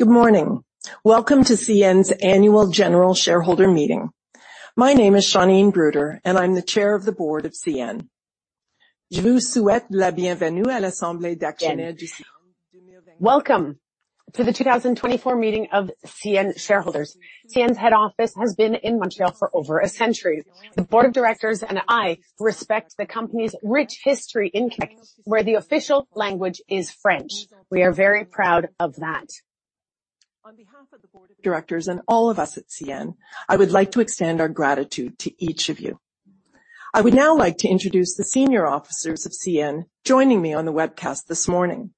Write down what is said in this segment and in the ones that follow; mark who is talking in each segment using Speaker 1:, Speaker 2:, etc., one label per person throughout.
Speaker 1: Good morning. Welcome to CN's Annual General Shareholder Meeting. My name is Shauneen Bruder, and I'm the Chair of the Board of CN.
Speaker 2: Welcome to the 2024 meeting of CN shareholders. CN's head office has been in Montreal for over a century. The board of directors and I respect the company's rich history in Quebec, where the official language is French. We are very proud of that.
Speaker 1: On behalf of the board of directors and all of us at CN, I would like to extend our gratitude to each of you. I would now like to introduce the senior officers of CN joining me on the webcast this morning.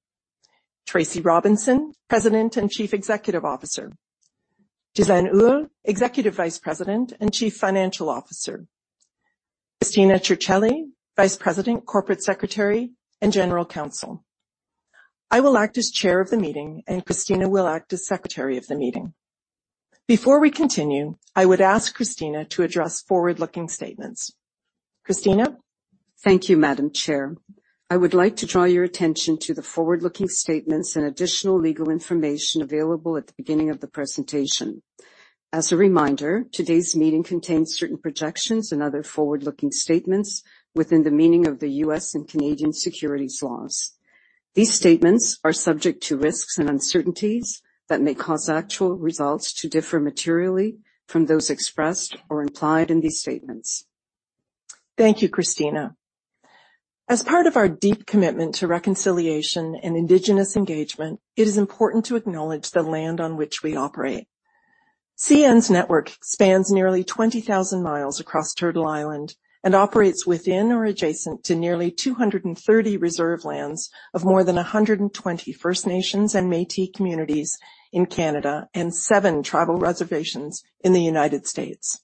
Speaker 1: Tracy Robinson, President and Chief Executive Officer, Ghislain Houle, Executive Vice-President and Chief Financial Officer, Cristina Circelli, Vice-President, Corporate Secretary, and General Counsel. I will act as chair of the meeting, and Cristina will act as secretary of the meeting. Before we continue, I would ask Cristina to address forward-looking statements. Cristina?
Speaker 3: Thank you, Madam Chair. I would like to draw your attention to the forward-looking statements and additional legal information available at the beginning of the presentation. As a reminder, today's meeting contains certain projections and other forward-looking statements within the meaning of the U.S. and Canadian securities laws. These statements are subject to risks and uncertainties that may cause actual results to differ materially from those expressed or implied in these statements.
Speaker 1: Thank you, Cristina. As part of our deep commitment to reconciliation and Indigenous engagement, it is important to acknowledge the land on which we operate. CN's network spans nearly 20,000 miles across Turtle Island and operates within or adjacent to nearly 230 reserve lands of more than 120 First Nations and Métis communities in Canada and seven tribal reservations in the United States.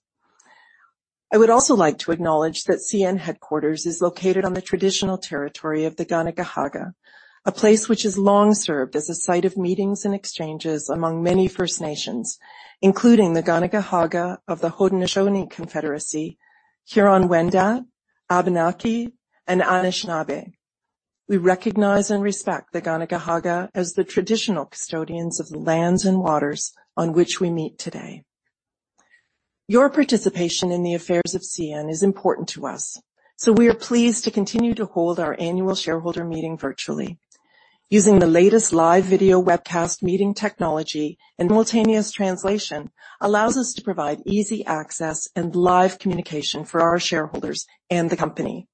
Speaker 1: I would also like to acknowledge that CN headquarters is located on the traditional territory of the Kanien'kehá:ka, a place which has long served as a site of meetings and exchanges among many First Nations, including the Kanien'kehá:ka of the Haudenosaunee Confederacy, Huron-Wendat, Abenaki, and Anishinaabe. We recognize and respect the Kanien'kehá:ka as the traditional custodians of the lands and waters on which we meet today. Your participation in the affairs of CN is important to us, so we are pleased to continue to hold our annual shareholder meeting virtually. Using the latest live video webcast meeting technology and simultaneous translation allows us to provide easy access and live communication for our shareholders and the company.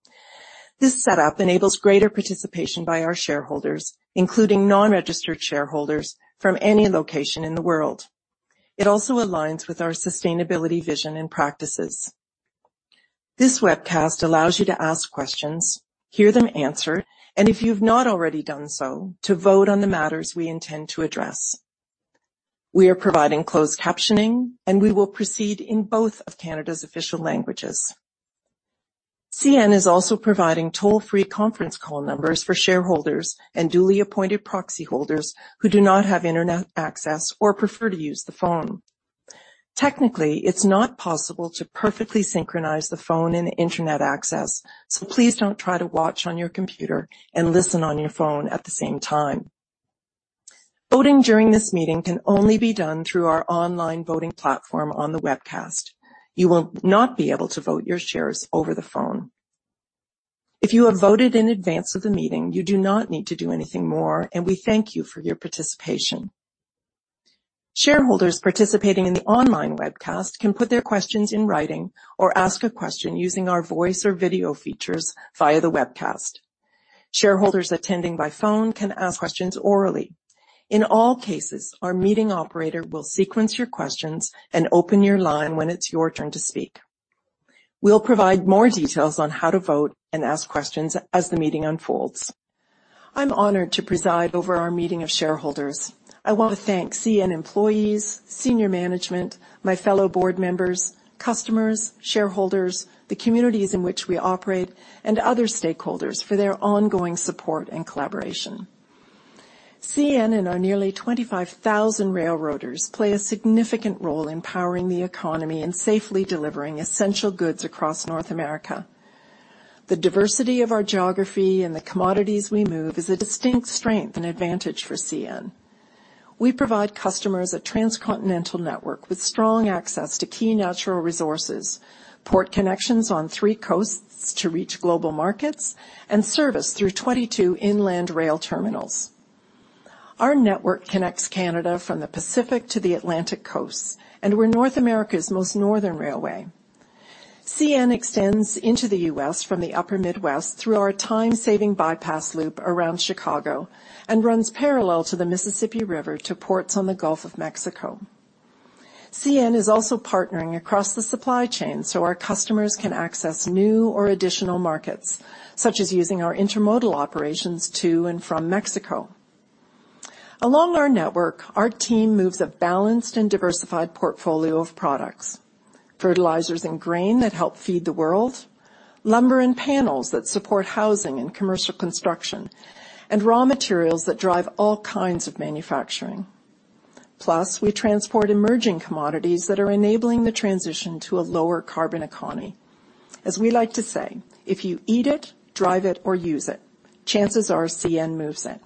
Speaker 1: This setup enables greater participation by our shareholders, including non-registered shareholders from any location in the world. It also aligns with our sustainability, vision, and practices. This webcast allows you to ask questions, hear them answered, and if you've not already done so, to vote on the matters we intend to address. We are providing closed captioning, and we will proceed in both of Canada's official languages. CN is also providing toll-free conference call numbers for shareholders and duly appointed proxy holders who do not have internet access or prefer to use the phone. Technically, it's not possible to perfectly synchronize the phone and internet access, so please don't try to watch on your computer and listen on your phone at the same time. Voting during this meeting can only be done through our online voting platform on the webcast. You will not be able to vote your shares over the phone. If you have voted in advance of the meeting, you do not need to do anything more, and we thank you for your participation. Shareholders participating in the online webcast can put their questions in writing or ask a question using our voice or video features via the webcast. Shareholders attending by phone can ask questions orally. In all cases, our meeting operator will sequence your questions and open your line when it's your turn to speak. We'll provide more details on how to vote and ask questions as the meeting unfolds. I'm honored to preside over our meeting of shareholders. I want to thank CN employees, senior management, my fellow board members, customers, shareholders, the communities in which we operate, and other stakeholders for their ongoing support and collaboration. CN and our nearly 25,000 railroaders play a significant role in powering the economy and safely delivering essential goods across North America. The diversity of our geography and the commodities we move is a distinct strength and advantage for CN. We provide customers a transcontinental network with strong access to key natural resources, port connections on three coasts to reach global markets, and service through 22 inland rail terminals. Our network connects Canada from the Pacific to the Atlantic coasts, and we're North America's most northern railway. CN extends into the U.S. from the upper Midwest through our time-saving bypass loop around Chicago and runs parallel to the Mississippi River to ports on the Gulf of Mexico. CN is also partnering across the supply chain so our customers can access new or additional markets, such as using our intermodal operations to and from Mexico. Along our network, our team moves a balanced and diversified portfolio of products, fertilizers and grain that help feed the world, lumber and panels that support housing and commercial construction, and raw materials that drive all kinds of manufacturing. Plus, we transport emerging commodities that are enabling the transition to a lower carbon economy.... As we like to say, if you eat it, drive it, or use it, chances are CN moves it.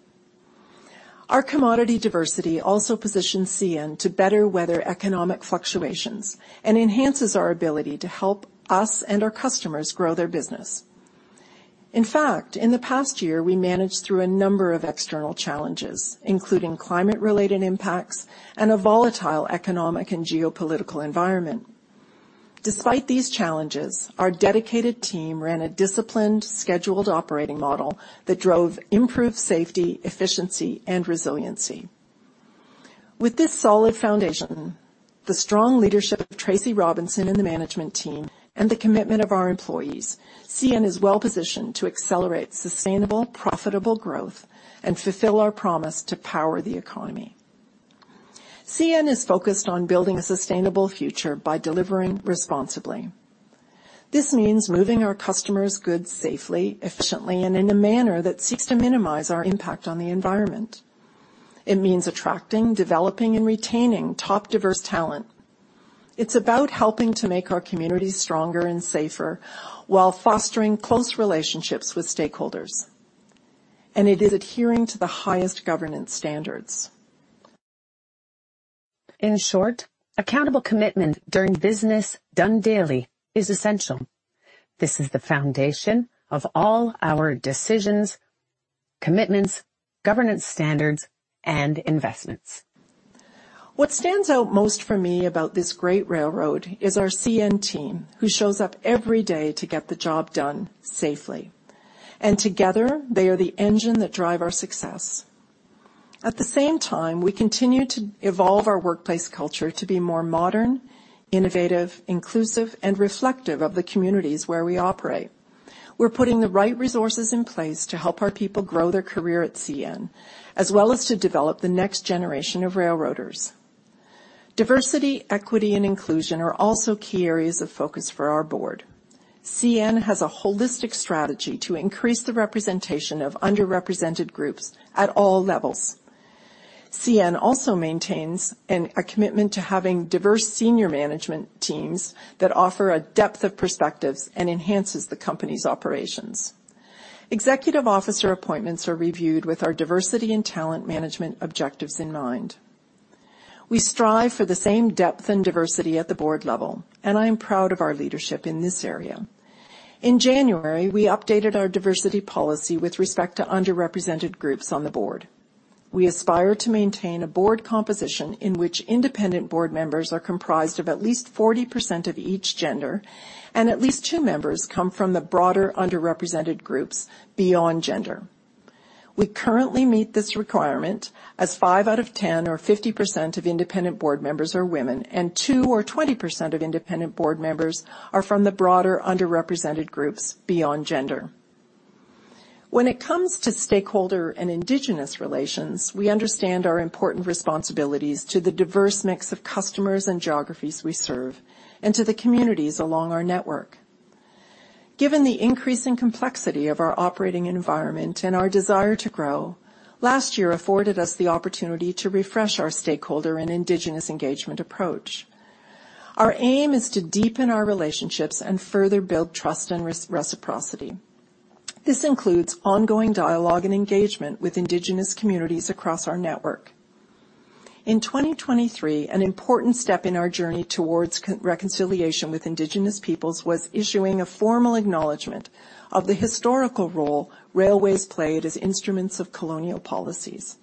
Speaker 1: Our commodity diversity also positions CN to better weather economic fluctuations and enhances our ability to help us and our customers grow their business. In fact, in the past year, we managed through a number of external challenges, including climate-related impacts and a volatile economic and geopolitical environment. Despite these challenges, our dedicated team ran a disciplined, scheduled operating model that drove improved safety, efficiency, and resiliency. With this solid foundation, the strong leadership of Tracy Robinson and the management team, and the commitment of our employees, CN is well positioned to accelerate sustainable, profitable growth and fulfill our promise to power the economy. CN is focused on building a sustainable future by delivering responsibly. This means moving our customers' goods safely, efficiently, and in a manner that seeks to minimize our impact on the environment. It means attracting, developing, and retaining top diverse talent. It's about helping to make our communities stronger and safer while fostering close relationships with stakeholders, and it is adhering to the highest governance standards.
Speaker 4: In short, accountable commitment during business done daily is essential. This is the foundation of all our decisions, commitments, governance standards, and investments.
Speaker 1: What stands out most for me about this great railroad is our CN team, who shows up every day to get the job done safely, and together, they are the engine that drive our success. At the same time, we continue to evolve our workplace culture to be more modern, innovative, inclusive, and reflective of the communities where we operate. We're putting the right resources in place to help our people grow their career at CN, as well as to develop the next generation of railroaders. Diversity, equity, and inclusion are also key areas of focus for our board. CN has a holistic strategy to increase the representation of underrepresented groups at all levels. CN also maintains a commitment to having diverse senior management teams that offer a depth of perspectives and enhances the company's operations. Executive officer appointments are reviewed with our diversity and talent management objectives in mind. We strive for the same depth and diversity at the board level, and I am proud of our leadership in this area. In January, we updated our diversity policy with respect to underrepresented groups on the board. We aspire to maintain a board composition in which independent board members are comprised of at least 40% of each gender and at least 2 members come from the broader underrepresented groups beyond gender. We currently meet this requirement, as 5 out of 10 or 50% of independent board members are women, and 2 or 20% of independent board members are from the broader underrepresented groups beyond gender. When it comes to stakeholder and indigenous relations, we understand our important responsibilities to the diverse mix of customers and geographies we serve and to the communities along our network. Given the increasing complexity of our operating environment and our desire to grow, last year afforded us the opportunity to refresh our stakeholder and indigenous engagement approach. Our aim is to deepen our relationships and further build trust and reciprocity. This includes ongoing dialogue and engagement with indigenous communities across our network. In 2023, an important step in our journey towards reconciliation with indigenous peoples was issuing a formal acknowledgment of the historical role railways played as instruments of colonial policies.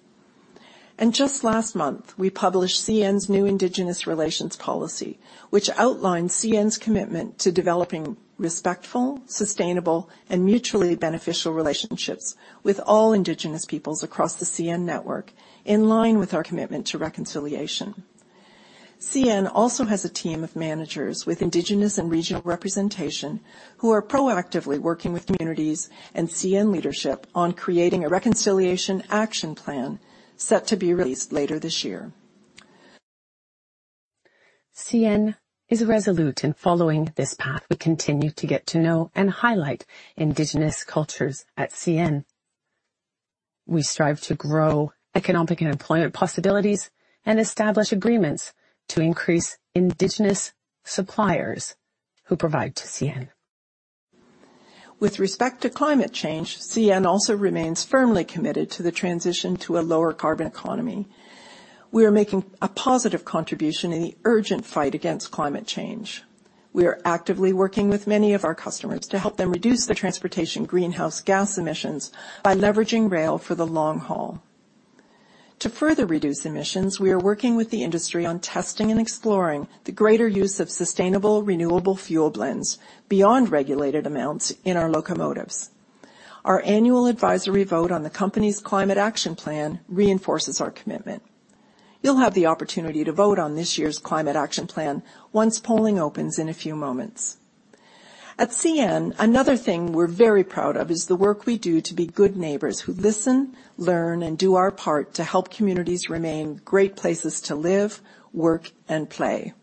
Speaker 1: Just last month, we published CN's new Indigenous Relations Policy, which outlines CN's commitment to developing respectful, sustainable, and mutually beneficial relationships with all Indigenous peoples across the CN network, in line with our commitment to reconciliation. CN also has a team of managers with Indigenous and regional representation who are proactively working with communities and CN leadership on creating a Reconciliation Action Plan set to be released later this year.
Speaker 4: CN is resolute in following this path. We continue to get to know and highlight Indigenous cultures at CN. We strive to grow economic and employment possibilities and establish agreements to increase Indigenous suppliers who provide to CN.
Speaker 1: With respect to climate change, CN also remains firmly committed to the transition to a lower carbon economy. We are making a positive contribution in the urgent fight against climate change. We are actively working with many of our customers to help them reduce their transportation greenhouse gas emissions by leveraging rail for the long haul. To further reduce emissions, we are working with the industry on testing and exploring the greater use of sustainable, renewable fuel blends beyond regulated amounts in our locomotives. Our annual advisory vote on the company's climate action plan reinforces our commitment. You'll have the opportunity to vote on this year's climate action plan once polling opens in a few moments. At CN, another thing we're very proud of is the work we do to be good neighbors who listen, learn, and do our part to help communities remain great places to live, work, and play.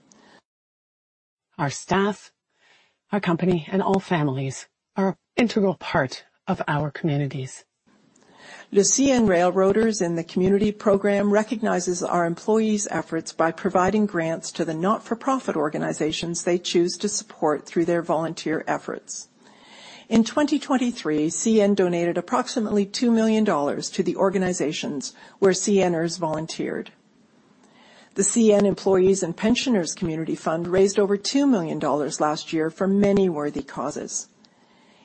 Speaker 4: Our staff, our company, and all families are an integral part of our communities. ...
Speaker 1: The CN Railroaders in the Community program recognizes our employees' efforts by providing grants to the not-for-profit organizations they choose to support through their volunteer efforts. In 2023, CN donated approximately 2 million dollars to the organizations where CNers volunteered. The CN Employees and Pensioners Community Fund raised over 2 million dollars last year for many worthy causes.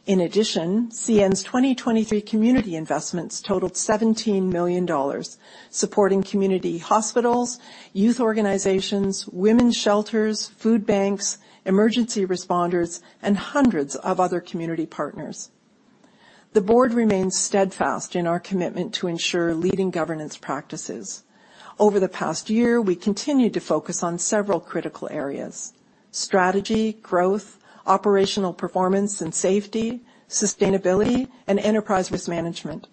Speaker 1: In addition, CN's 2023 community investments totaled CAD 17 million, supporting community hospitals, youth organizations, women's shelters, food banks, emergency responders, and hundreds of other community partners. The board remains steadfast in our commitment to ensure leading governance practices. Over the past year, we continued to focus on several critical areas: strategy, growth, operational performance and safety, sustainability, and enterprise risk management.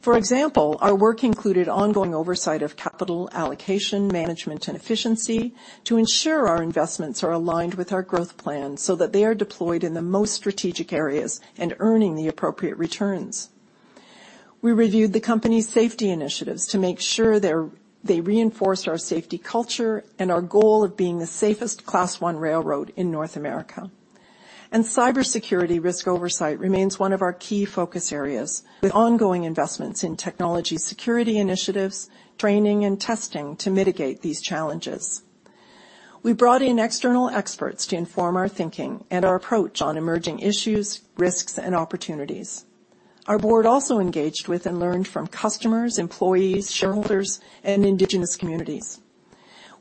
Speaker 1: For example, our work included ongoing oversight of capital allocation, management, and efficiency to ensure our investments are aligned with our growth plan so that they are deployed in the most strategic areas and earning the appropriate returns. We reviewed the company's safety initiatives to make sure they reinforce our safety culture and our goal of being the safest Class I Railroad in North America. Cybersecurity risk oversight remains one of our key focus areas, with ongoing investments in technology security initiatives, training, and testing to mitigate these challenges. We brought in external experts to inform our thinking and our approach on emerging issues, risks, and opportunities. Our board also engaged with and learned from customers, employees, shareholders, and Indigenous communities.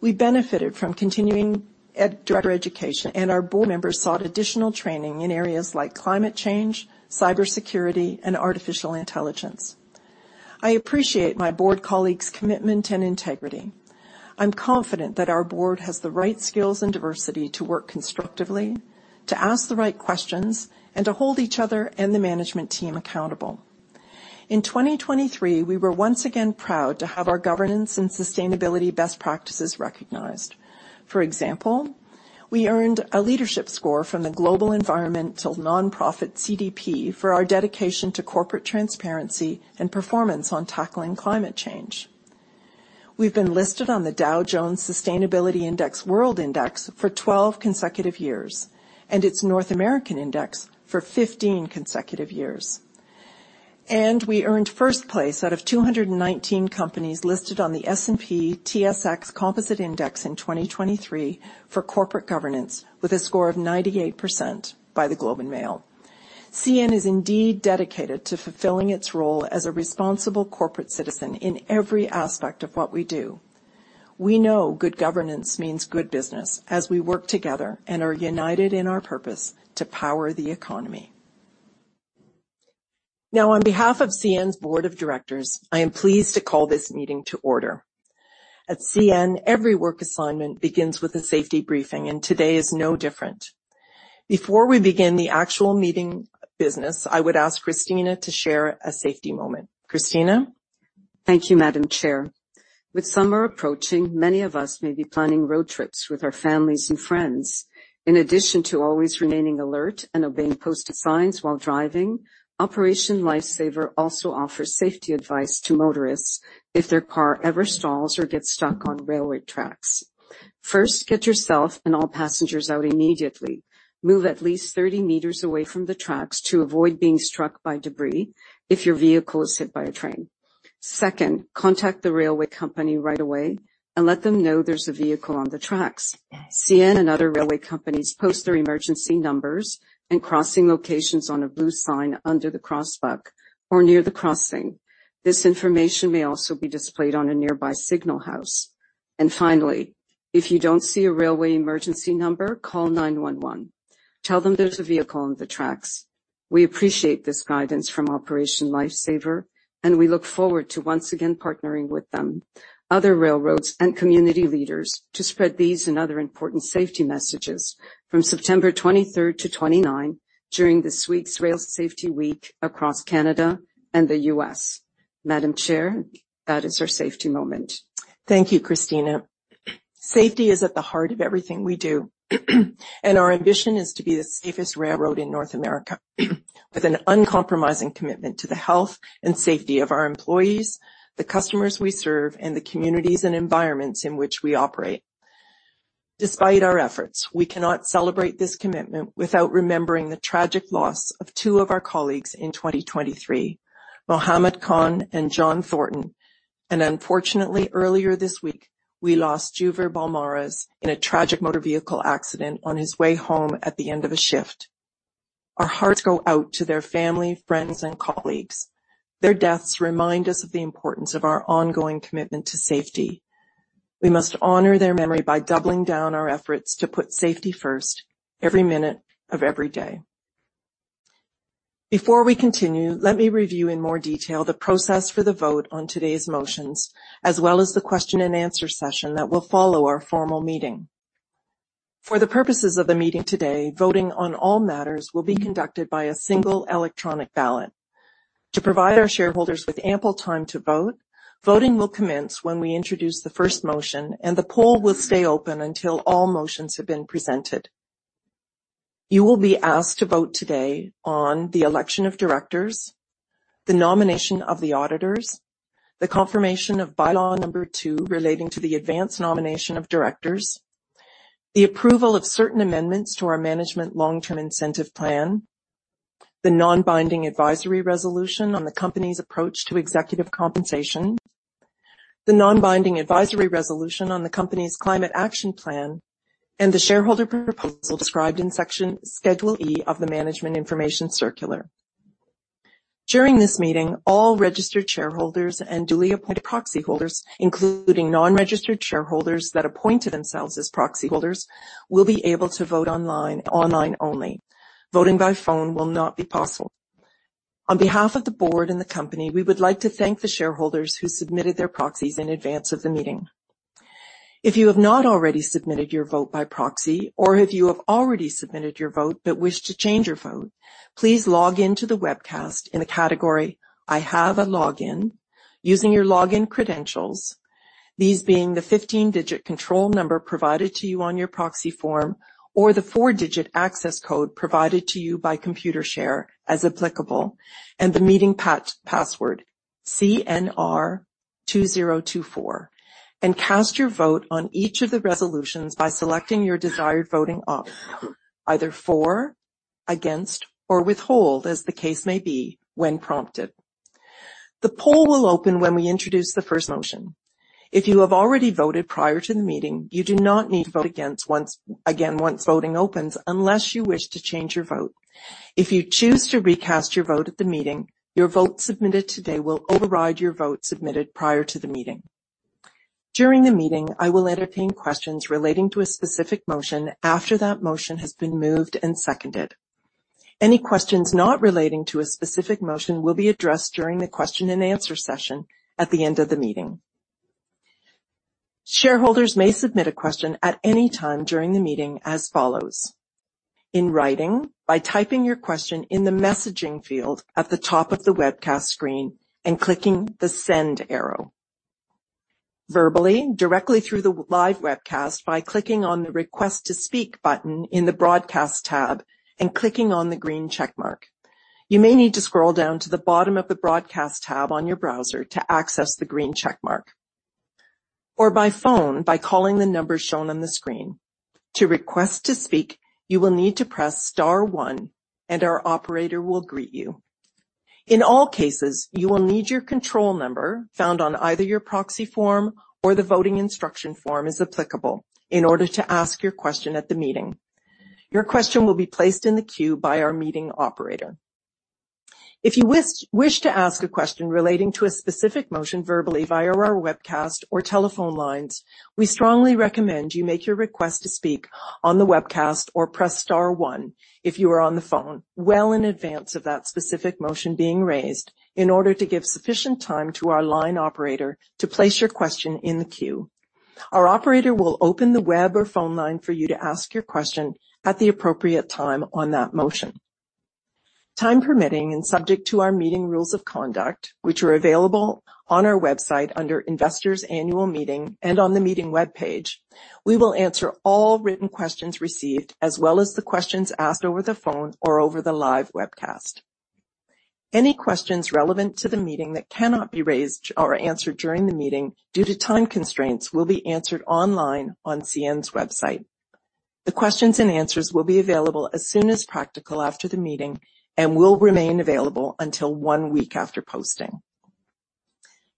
Speaker 1: We benefited from continuing director education, and our board members sought additional training in areas like climate change, cybersecurity, and artificial intelligence. I appreciate my board colleagues' commitment and integrity. I'm confident that our board has the right skills and diversity to work constructively, to ask the right questions, and to hold each other and the management team accountable. In 2023, we were once again proud to have our governance and sustainability best practices recognized. For example, we earned a leadership score from the global environmental nonprofit, CDP, for our dedication to corporate transparency and performance on tackling climate change. We've been listed on the Dow Jones Sustainability World Index for 12 consecutive years, and its North American Index for 15 consecutive years. We earned first place out of 219 companies listed on the S&P/TSX Composite Index in 2023 for corporate governance, with a score of 98% by The Globe and Mail. CN is indeed dedicated to fulfilling its role as a responsible corporate citizen in every aspect of what we do. We know good governance means good business as we work together and are united in our purpose to power the economy. Now, on behalf of CN's Board of Directors, I am pleased to call this meeting to order. At CN, every work assignment begins with a safety briefing, and today is no different. Before we begin the actual meeting business, I would ask Cristina to share a safety moment. Cristina?
Speaker 3: Thank you, Madam Chair. With summer approaching, many of us may be planning road trips with our families and friends. In addition to always remaining alert and obeying posted signs while driving, Operation Lifesaver also offers safety advice to motorists if their car ever stalls or gets stuck on railway tracks. First, get yourself and all passengers out immediately. Move at least 30 meters away from the tracks to avoid being struck by debris if your vehicle is hit by a train. Second, contact the railway company right away and let them know there's a vehicle on the tracks. CN and other railway companies post their emergency numbers and crossing locations on a blue sign under the crossbuck or near the crossing. This information may also be displayed on a nearby signal house. And finally, if you don't see a railway emergency number, call 911. Tell them there's a vehicle on the tracks. We appreciate this guidance from Operation Lifesaver, and we look forward to once again partnering with them, other railroads, and community leaders to spread these and other important safety messages from September 23 to 29, during this week's Rail Safety Week across Canada and the U.S. Madam Chair, that is our safety moment.
Speaker 1: Thank you, Cristina. Safety is at the heart of everything we do, and our ambition is to be the safest railroad in North America, with an uncompromising commitment to the health and safety of our employees, the customers we serve, and the communities and environments in which we operate. Despite our efforts, we cannot celebrate this commitment without remembering the tragic loss of two of our colleagues in 2023, Muhammad Khan and John Thornton. And unfortunately, earlier this week, we lost Juver Balmores in a tragic motor vehicle accident on his way home at the end of a shift. Our hearts go out to their family, friends, and colleagues. Their deaths remind us of the importance of our ongoing commitment to safety. We must honor their memory by doubling down our efforts to put safety first, every minute of every day. Before we continue, let me review in more detail the process for the vote on today's motions, as well as the question and answer session that will follow our formal meeting. For the purposes of the meeting today, voting on all matters will be conducted by a single electronic ballot. To provide our shareholders with ample time to vote, voting will commence when we introduce the first motion, and the poll will stay open until all motions have been presented.... You will be asked to vote today on the election of directors, the nomination of the auditors, the confirmation of By-law Number Two relating to the advance nomination of directors, the approval of certain amendments to our Management Long-Term Incentive Plan, the non-binding advisory resolution on the company's approach to executive compensation, the non-binding advisory resolution on the company's Climate Action Plan, and the shareholder proposal described in section Schedule E of the Management Information Circular. During this meeting, all registered shareholders and duly appointed proxy holders, including non-registered shareholders that appointed themselves as proxy holders, will be able to vote online, online only. Voting by phone will not be possible. On behalf of the board and the company, we would like to thank the shareholders who submitted their proxies in advance of the meeting. If you have not already submitted your vote by proxy or if you have already submitted your vote but wish to change your vote, please log in to the webcast in the category I Have a Login, using your login credentials, these being the 15-digit control number provided to you on your proxy form, or the 4-digit access code provided to you by Computershare, as applicable, and the meeting password CNR2024, and cast your vote on each of the resolutions by selecting your desired voting option, either for, against, or withhold, as the case may be when prompted. The poll will open when we introduce the first motion. If you have already voted prior to the meeting, you do not need to vote again once voting opens, unless you wish to change your vote. If you choose to recast your vote at the meeting, your vote submitted today will override your vote submitted prior to the meeting. During the meeting, I will entertain questions relating to a specific motion after that motion has been moved and seconded. Any questions not relating to a specific motion will be addressed during the question and answer session at the end of the meeting. Shareholders may submit a question at any time during the meeting as follows: In writing, by typing your question in the messaging field at the top of the webcast screen and clicking the send arrow. Verbally, directly through the live webcast by clicking on the Request to Speak button in the Broadcast tab and clicking on the green check mark. You may need to scroll down to the bottom of the Broadcast tab on your browser to access the green check mark. Or by phone by calling the number shown on the screen. To request to speak, you will need to press star one, and our operator will greet you. In all cases, you will need your control number, found on either your proxy form or the voting instruction form, as applicable, in order to ask your question at the meeting. Your question will be placed in the queue by our meeting operator. If you wish to ask a question relating to a specific motion verbally via our webcast or telephone lines, we strongly recommend you make your request to speak on the webcast or press star one if you are on the phone, well in advance of that specific motion being raised in order to give sufficient time to our line operator to place your question in the queue. Our operator will open the web or phone line for you to ask your question at the appropriate time on that motion. Time permitting and subject to our meeting rules of conduct, which are available on our website under Investors Annual Meeting and on the meeting webpage, we will answer all written questions received as well as the questions asked over the phone or over the live webcast. Any questions relevant to the meeting that cannot be raised or answered during the meeting due to time constraints, will be answered online on CN's website. The questions and answers will be available as soon as practical after the meeting and will remain available until one week after posting.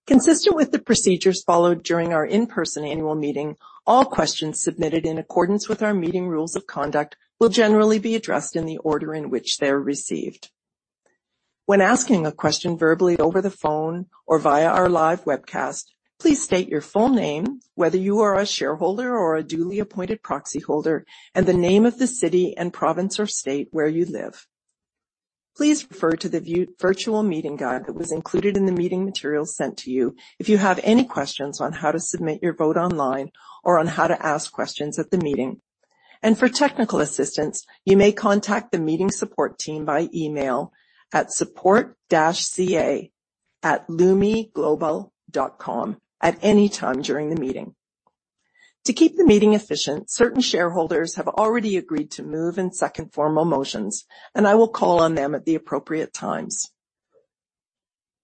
Speaker 1: Consistent with the procedures followed during our in-person annual meeting, all questions submitted in accordance with our meeting rules of conduct will generally be addressed in the order in which they are received. When asking a question verbally over the phone or via our live webcast, please state your full name, whether you are a shareholder or a duly appointed proxy holder, and the name of the city and province or state where you live. Please refer to the virtual meeting guide that was included in the meeting materials sent to you if you have any questions on how to submit your vote online or on how to ask questions at the meeting. For technical assistance, you may contact the meeting support team by email at support-ca@lumiglobal.com at any time during the meeting. To keep the meeting efficient, certain shareholders have already agreed to move and second formal motions, and I will call on them at the appropriate times.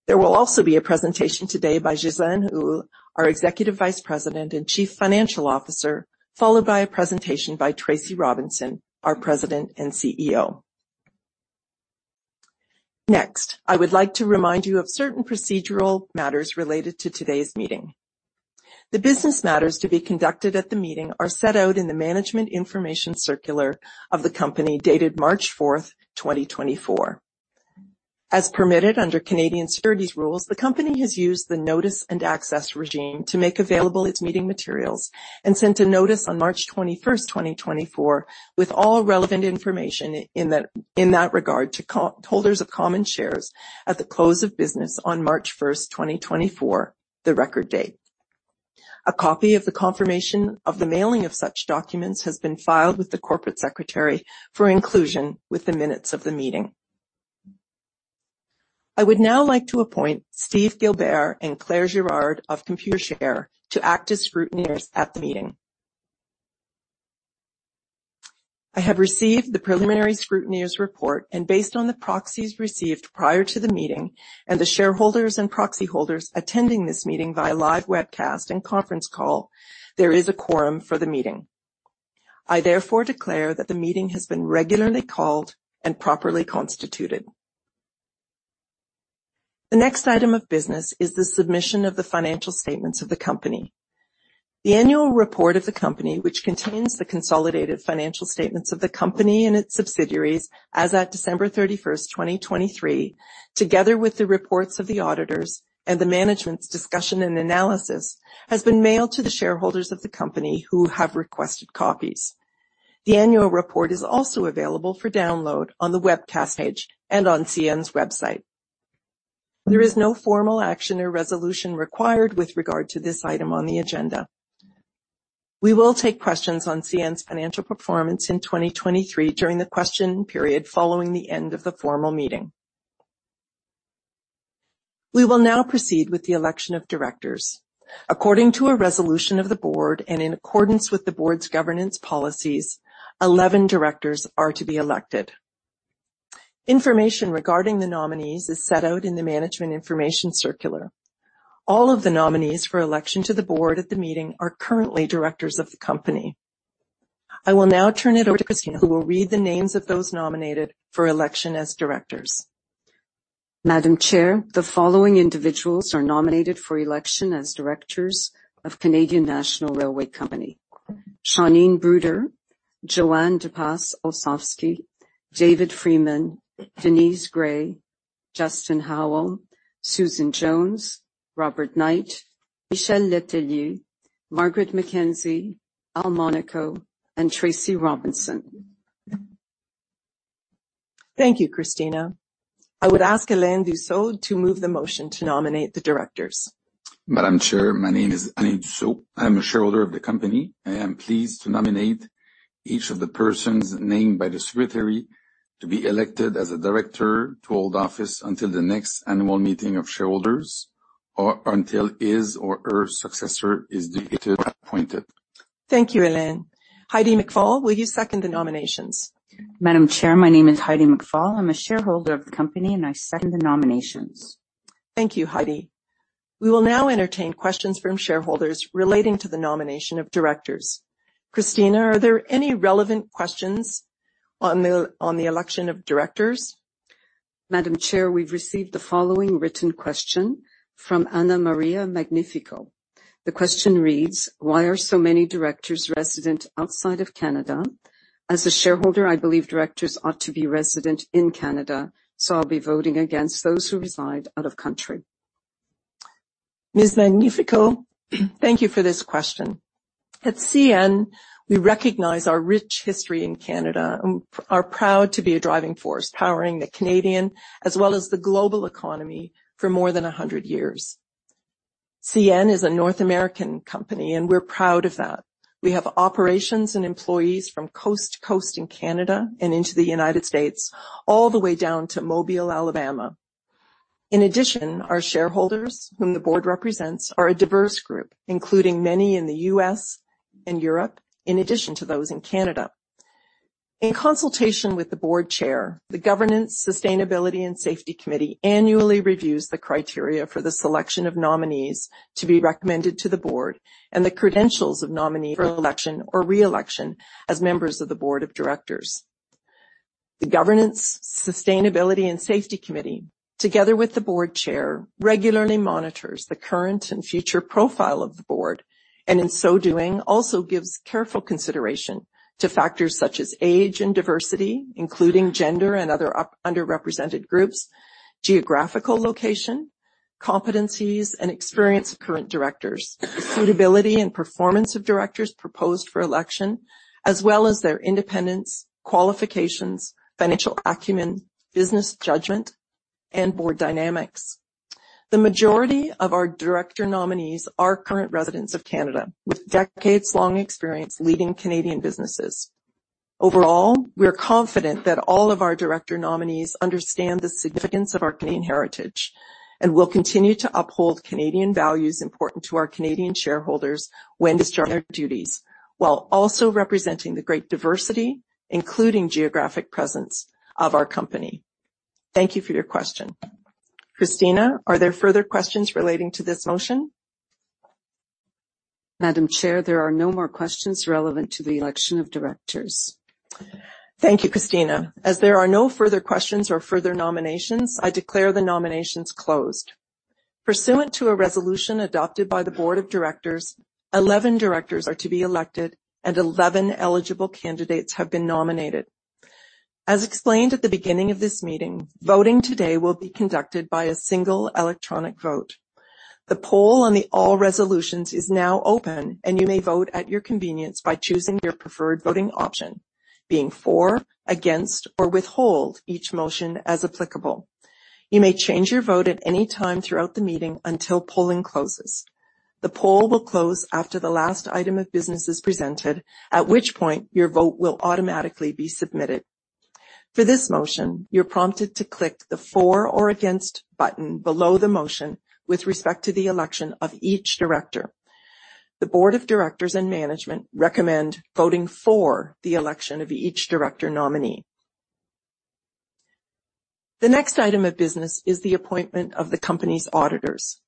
Speaker 1: There will also be a presentation today by Ghislain Houle, our Executive Vice President and Chief Financial Officer, followed by a presentation by Tracy Robinson, our President and CEO. Next, I would like to remind you of certain procedural matters related to today's meeting. The business matters to be conducted at the meeting are set out in the Management Information Circular of the company, dated March 4, 2024. As permitted under Canadian securities rules, the company has used the notice-and-access regime to make available its meeting materials and sent a notice on March 21, 2024, with all relevant information in that regard to holders of common shares at the close of business on March 1, 2024, the record date. A copy of the confirmation of the mailing of such documents has been filed with the corporate secretary for inclusion with the minutes of the meeting. I would now like to appoint Steve Gilbert and Claire Girard of Computershare to act as scrutineers at the meeting. I have received the preliminary Scrutineers' Report, and based on the proxies received prior to the meeting and the shareholders and proxy holders attending this meeting via live webcast and conference call, there is a quorum for the meeting. I therefore declare that the meeting has been regularly called and properly constituted. The next item of business is the submission of the financial statements of the company. The annual report of the company, which contains the consolidated financial statements of the company and its subsidiaries, as at December 31, 2023, together with the reports of the auditors and the Management's Discussion and Analysis, has been mailed to the shareholders of the company who have requested copies. The annual report is also available for download on the webcast page and on CN's website. There is no formal action or resolution required with regard to this item on the agenda. We will take questions on CN's financial performance in 2023 during the question period following the end of the formal meeting. We will now proceed with the election of directors. According to a resolution of the board and in accordance with the board's governance policies, 11 directors are to be elected. Information regarding the nominees is set out in the Management Information Circular. All of the nominees for election to the board at the meeting are currently directors of the company. I will now turn it over to Cristina, who will read the names of those nominated for election as directors.
Speaker 3: Madam Chair, the following individuals are nominated for election as directors of Canadian National Railway Company: Shauneen Bruder, Jo-Ann dePass Olsovsky, David Freeman, Denise Gray, Justin Howell, Susan Jones, Robert Knight, Michel Letellier, Margaret McKenzie, Al Monaco, and Tracy Robinson.
Speaker 1: Thank you, Cristina. I would ask Alain Dussault to move the motion to nominate the directors.
Speaker 5: Madam Chair, my name is Alain Dussault. I am a shareholder of the company, and I am pleased to nominate each of the persons named by the secretary to be elected as a director, to hold office until the next annual meeting of shareholders, or until his or her successor is appointed.
Speaker 1: Thank you, Alain. Heidi McFall, will you second the nominations?
Speaker 6: Madam Chair, my name is Heidi McFall. I'm a shareholder of the company, and I second the nominations.
Speaker 1: Thank you, Heidi. We will now entertain questions from shareholders relating to the nomination of directors. Cristina, are there any relevant questions on the election of directors?
Speaker 3: Madam Chair, we've received the following written question from Anna Maria Magnifico. The question reads: Why are so many directors resident outside of Canada? As a shareholder, I believe directors ought to be resident in Canada, so I'll be voting against those who reside out of country.
Speaker 1: Miss Magnifico, thank you for this question. At CN, we recognize our rich history in Canada and are proud to be a driving force, powering the Canadian as well as the global economy for more than 100 years. CN is a North American company, and we're proud of that. We have operations and employees from coast to coast in Canada and into the United States, all the way down to Mobile, Alabama. In addition, our shareholders, whom the board represents, are a diverse group, including many in the U.S. and Europe, in addition to those in Canada. In consultation with the board chair, the Governance, Sustainability, and Safety Committee annually reviews the criteria for the selection of nominees to be recommended to the board and the credentials of nominees for election or re-election as members of the board of directors. The Governance, Sustainability, and Safety Committee, together with the board chair, regularly monitors the current and future profile of the board, and in so doing, also gives careful consideration to factors such as age and diversity, including gender and other underrepresented groups, geographical location, competencies and experience of current directors, suitability and performance of directors proposed for election, as well as their independence, qualifications, financial acumen, business judgment, and board dynamics. The majority of our director nominees are current residents of Canada, with decades-long experience leading Canadian businesses. Overall, we are confident that all of our director nominees understand the significance of our Canadian heritage and will continue to uphold Canadian values important to our Canadian shareholders when discharging their duties, while also representing the great diversity, including geographic presence of our company. Thank you for your question. Cristina, are there further questions relating to this motion?
Speaker 3: Madam Chair, there are no more questions relevant to the election of directors.
Speaker 1: Thank you, Cristina. As there are no further questions or further nominations, I declare the nominations closed. Pursuant to a resolution adopted by the board of directors, 11 directors are to be elected, and 11 eligible candidates have been nominated. As explained at the beginning of this meeting, voting today will be conducted by a single electronic vote. The poll on all the resolutions is now open, and you may vote at your convenience by choosing your preferred voting option, being for, against, or withhold each motion as applicable. You may change your vote at any time throughout the meeting until polling closes.... The poll will close after the last item of business is presented, at which point your vote will automatically be submitted. For this motion, you're prompted to click the For or Against button below the motion with respect to the election of each director. The board of directors and management recommend voting for the election of each director nominee. The next item of business is the appointment of the company's auditors.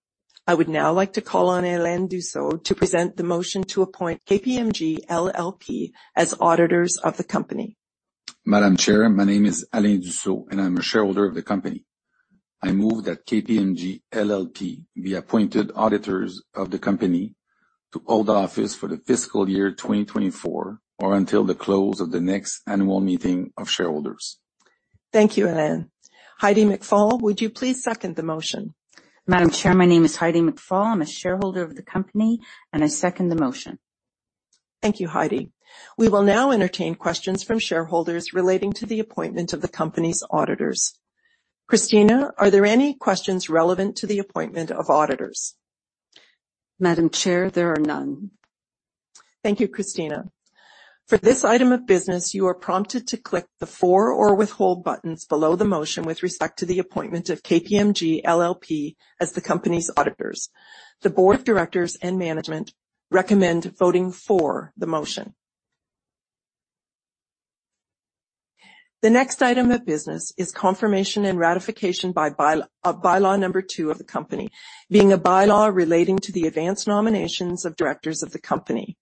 Speaker 1: I would now like to call on Alain Dussault to present the motion to appoint KPMG LLP as auditors of the company.
Speaker 5: Madam Chair, my name is Alain Dussault, and I'm a shareholder of the company. I move that KPMG LLP be appointed auditors of the company to hold office for the fiscal year 2024, or until the close of the next annual meeting of shareholders.
Speaker 1: Thank you, Alain. Heidi McFall, would you please second the motion?
Speaker 6: Madam Chair, my name is Heidi McFall. I'm a shareholder of the company, and I second the motion.
Speaker 1: Thank you, Heidi. We will now entertain questions from shareholders relating to the appointment of the company's auditors. Cristina, are there any questions relevant to the appointment of auditors?
Speaker 3: Madam Chair, there are none.
Speaker 1: Thank you, Cristina. For this item of business, you are prompted to click the For or Withhold buttons below the motion with respect to the appointment of KPMG LLP as the company's auditors. The board of directors and management recommend voting for the motion. The next item of business is confirmation and ratification by By-law Number Two of the company, being a bylaw relating to the advance nominations of directors of the company.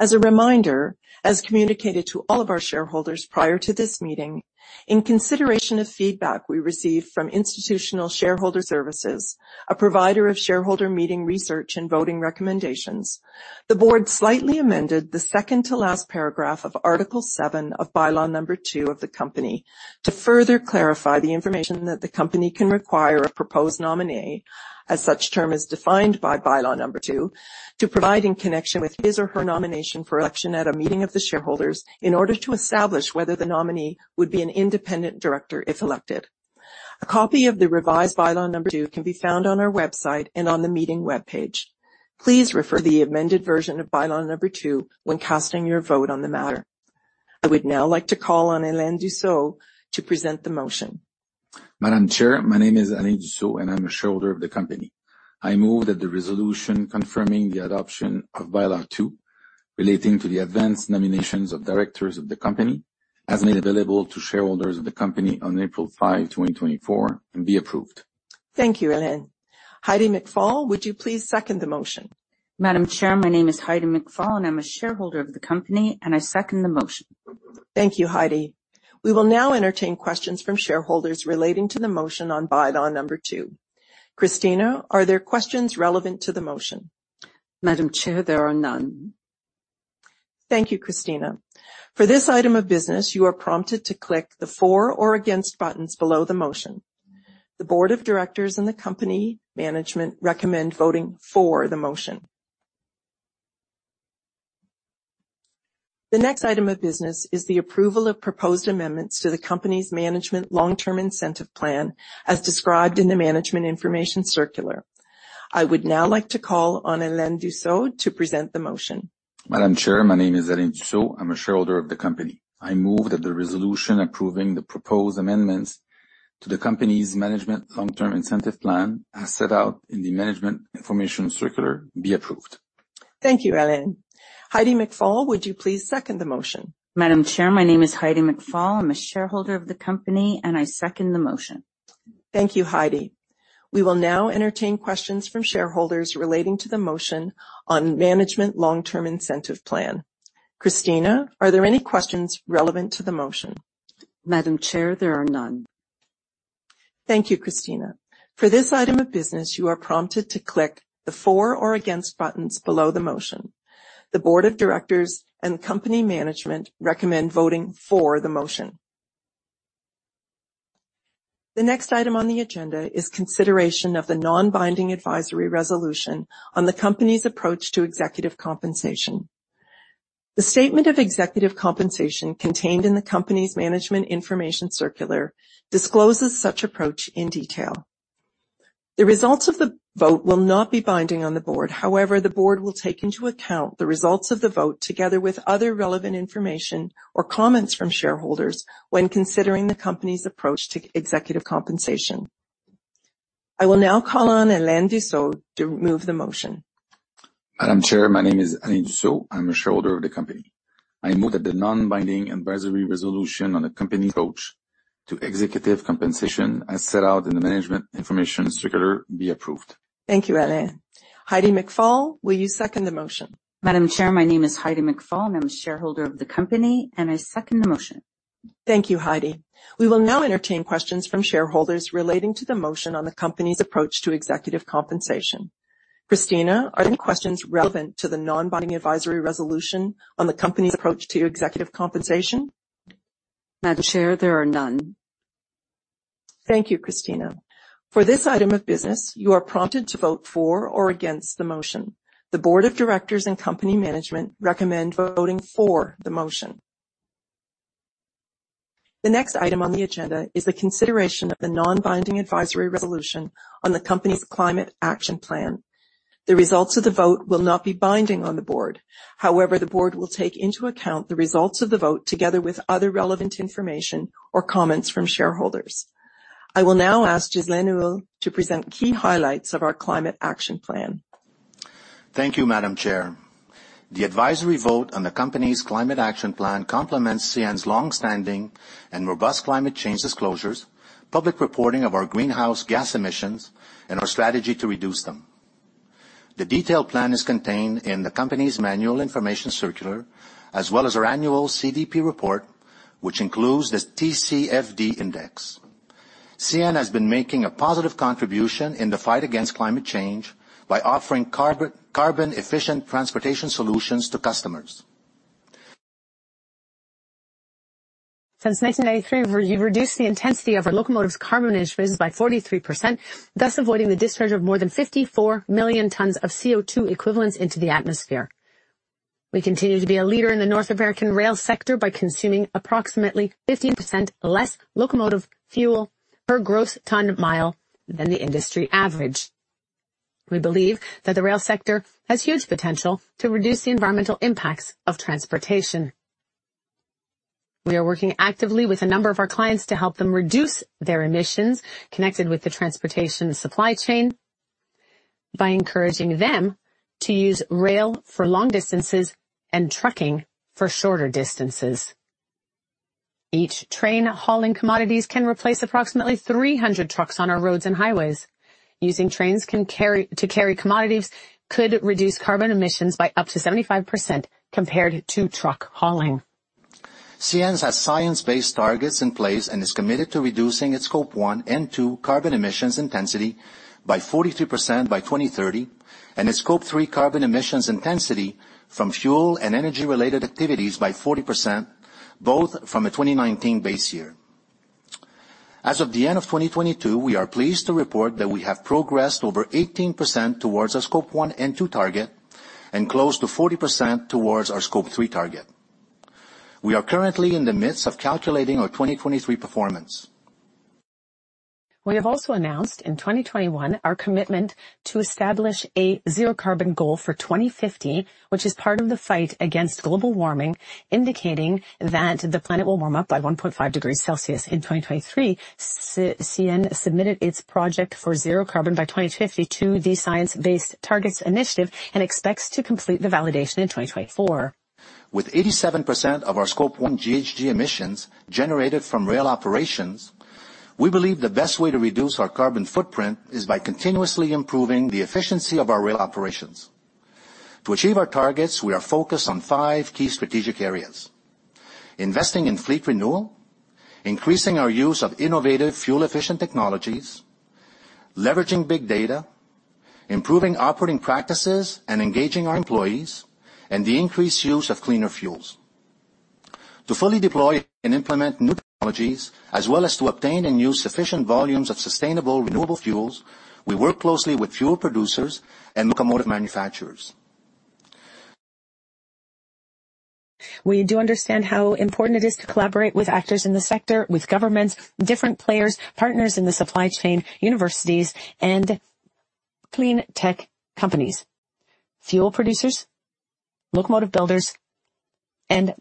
Speaker 1: As a reminder, as communicated to all of our shareholders prior to this meeting, in consideration of feedback we received from Institutional Shareholder Services, a provider of shareholder meeting research and voting recommendations, the board slightly amended the second to last paragraph of Article seven of By-law Number Two of the company to further clarify the information that the company can require a proposed nominee, as such term is defined by By-law Number Two, to provide in connection with his or her nomination for election at a meeting of the shareholders in order to establish whether the nominee would be an independent director if elected. A copy of the revised By-law Number Two can be found on our website and on the meeting webpage. Please refer to the amended version of By-law Number Two when casting your vote on the matter. I would now like to call on Alain Dussault to present the motion.
Speaker 5: Madam Chair, my name is Alain Dussault, and I'm a shareholder of the company. I move that the resolution confirming the adoption of By-law Number Two, relating to the advance nominations of directors of the company, as made available to shareholders of the company on April 5, 2024, be approved.
Speaker 1: Thank you, Alain. Heidi McFall, would you please second the motion?
Speaker 6: Madam Chair, my name is Heidi McFall, and I'm a shareholder of the company, and I second the motion.
Speaker 1: Thank you, Heidi. We will now entertain questions from shareholders relating to the motion on By-law Number Two. Cristina, are there questions relevant to the motion?
Speaker 3: Madam Chair, there are none.
Speaker 1: Thank you, Cristina. For this item of business, you are prompted to click the For or Against buttons below the motion. The board of directors and the company management recommend voting for the motion. The next item of business is the approval of proposed amendments to the company's Management Long-Term Incentive Plan, as described in the Management Information Circular. I would now like to call on Alain Dussault to present the motion.
Speaker 5: Madam Chair, my name is Alain Dussault. I'm a shareholder of the company. I move that the resolution approving the proposed amendments to the company's Management Long-Term Incentive Plan, as set out in the Management Information Circular, be approved.
Speaker 1: Thank you, Alain. Heidi McFall, would you please second the motion?
Speaker 6: Madam Chair, my name is Heidi McFall. I'm a shareholder of the company, and I second the motion.
Speaker 1: Thank you, Heidi. We will now entertain questions from shareholders relating to the motion on Management Long-Term Incentive Plan. Cristina, are there any questions relevant to the motion?
Speaker 3: Madam Chair, there are none.
Speaker 1: Thank you, Cristina. For this item of business, you are prompted to click the For or Against buttons below the motion. The board of directors and company management recommend voting for the motion. The next item on the agenda is consideration of the non-binding advisory resolution on the company's approach to executive compensation. The statement of executive compensation contained in the company's Management Information Circular discloses such approach in detail. The results of the vote will not be binding on the board. However, the board will take into account the results of the vote, together with other relevant information or comments from shareholders when considering the company's approach to executive compensation. I will now call on Alain Dussault to move the motion.
Speaker 5: Madam Chair, my name is Alain Dussault. I'm a shareholder of the company. I move that the non-binding advisory resolution on the company approach to executive compensation, as set out in the Management Information Circular, be approved.
Speaker 1: Thank you, Alain. Heidi McFall, will you second the motion?
Speaker 6: Madam Chair, my name is Heidi McFall, and I'm a shareholder of the company, and I second the motion.
Speaker 1: Thank you, Heidi. We will now entertain questions from shareholders relating to the motion on the company's approach to executive compensation. Cristina, are there any questions relevant to the non-binding advisory resolution on the company's approach to executive compensation?
Speaker 3: Madam Chair, there are none.
Speaker 1: Thank you, Cristina. For this item of business, you are prompted to vote for or against the motion. The board of directors and company management recommend voting for the motion. The next item on the agenda is the consideration of the non-binding advisory resolution on the company's Climate Action Plan. The results of the vote will not be binding on the board. However, the board will take into account the results of the vote, together with other relevant information or comments from shareholders. I will now ask Ghislain Houle to present key highlights of our Climate Action Plan.
Speaker 7: Thank you, Madam Chair. The advisory vote on the company's climate action plan complements CN's longstanding and robust climate change disclosures, public reporting of our greenhouse gas emissions, and our strategy to reduce them. The detailed plan is contained in the company's Management Information Circular, as well as our annual CDP report, which includes the TCFD Index. CN has been making a positive contribution in the fight against climate change by offering carbon, carbon efficient transportation solutions to customers.
Speaker 4: Since 1993, we've reduced the intensity of our locomotives' carbon emissions by 43%, thus avoiding the discharge of more than 54 million tons of CO2 equivalents into the atmosphere. We continue to be a leader in the North American rail sector by consuming approximately 15% less locomotive fuel per gross ton mile than the industry average. We believe that the rail sector has huge potential to reduce the environmental impacts of transportation. We are working actively with a number of our clients to help them reduce their emissions connected with the transportation supply chain, by encouraging them to use rail for long distances and trucking for shorter distances. Each train hauling commodities can replace approximately 300 trucks on our roads and highways. Using trains to carry commodities could reduce carbon emissions by up to 75% compared to truck hauling.
Speaker 7: CN has science-based targets in place and is committed to reducing its Scope 1 and two carbon emissions intensity by 42% by 2030, and its Scope 3 carbon emissions intensity from fuel and energy-related activities by 40%, both from a 2019 base year. As of the end of 2022, we are pleased to report that we have progressed over 18% towards our Scope 1 and 2 target and close to 40% towards our Scope 3 target. We are currently in the midst of calculating our 2023 performance.
Speaker 4: We have also announced in 2021, our commitment to establish a zero carbon goal for 2050, which is part of the fight against global warming, indicating that the planet will warm up by 1.5 degrees Celsius. In 2023, CN submitted its project for zero carbon by 2050 to the Science Based Targets Initiative and expects to complete the validation in 2024.
Speaker 7: With 87% of our Scope 1 GHG emissions generated from rail operations, we believe the best way to reduce our carbon footprint is by continuously improving the efficiency of our rail operations. To achieve our targets, we are focused on five key strategic areas: investing in fleet renewal, increasing our use of innovative fuel-efficient technologies, leveraging big data, improving operating practices, and engaging our employees, and the increased use of cleaner fuels. To fully deploy and implement new technologies, as well as to obtain and use sufficient volumes of sustainable renewable fuels, we work closely with fuel producers and locomotive manufacturers.
Speaker 4: We do understand how important it is to collaborate with actors in the sector, with governments, different players, partners in the supply chain, universities and clean tech companies, fuel producers, locomotive builders, and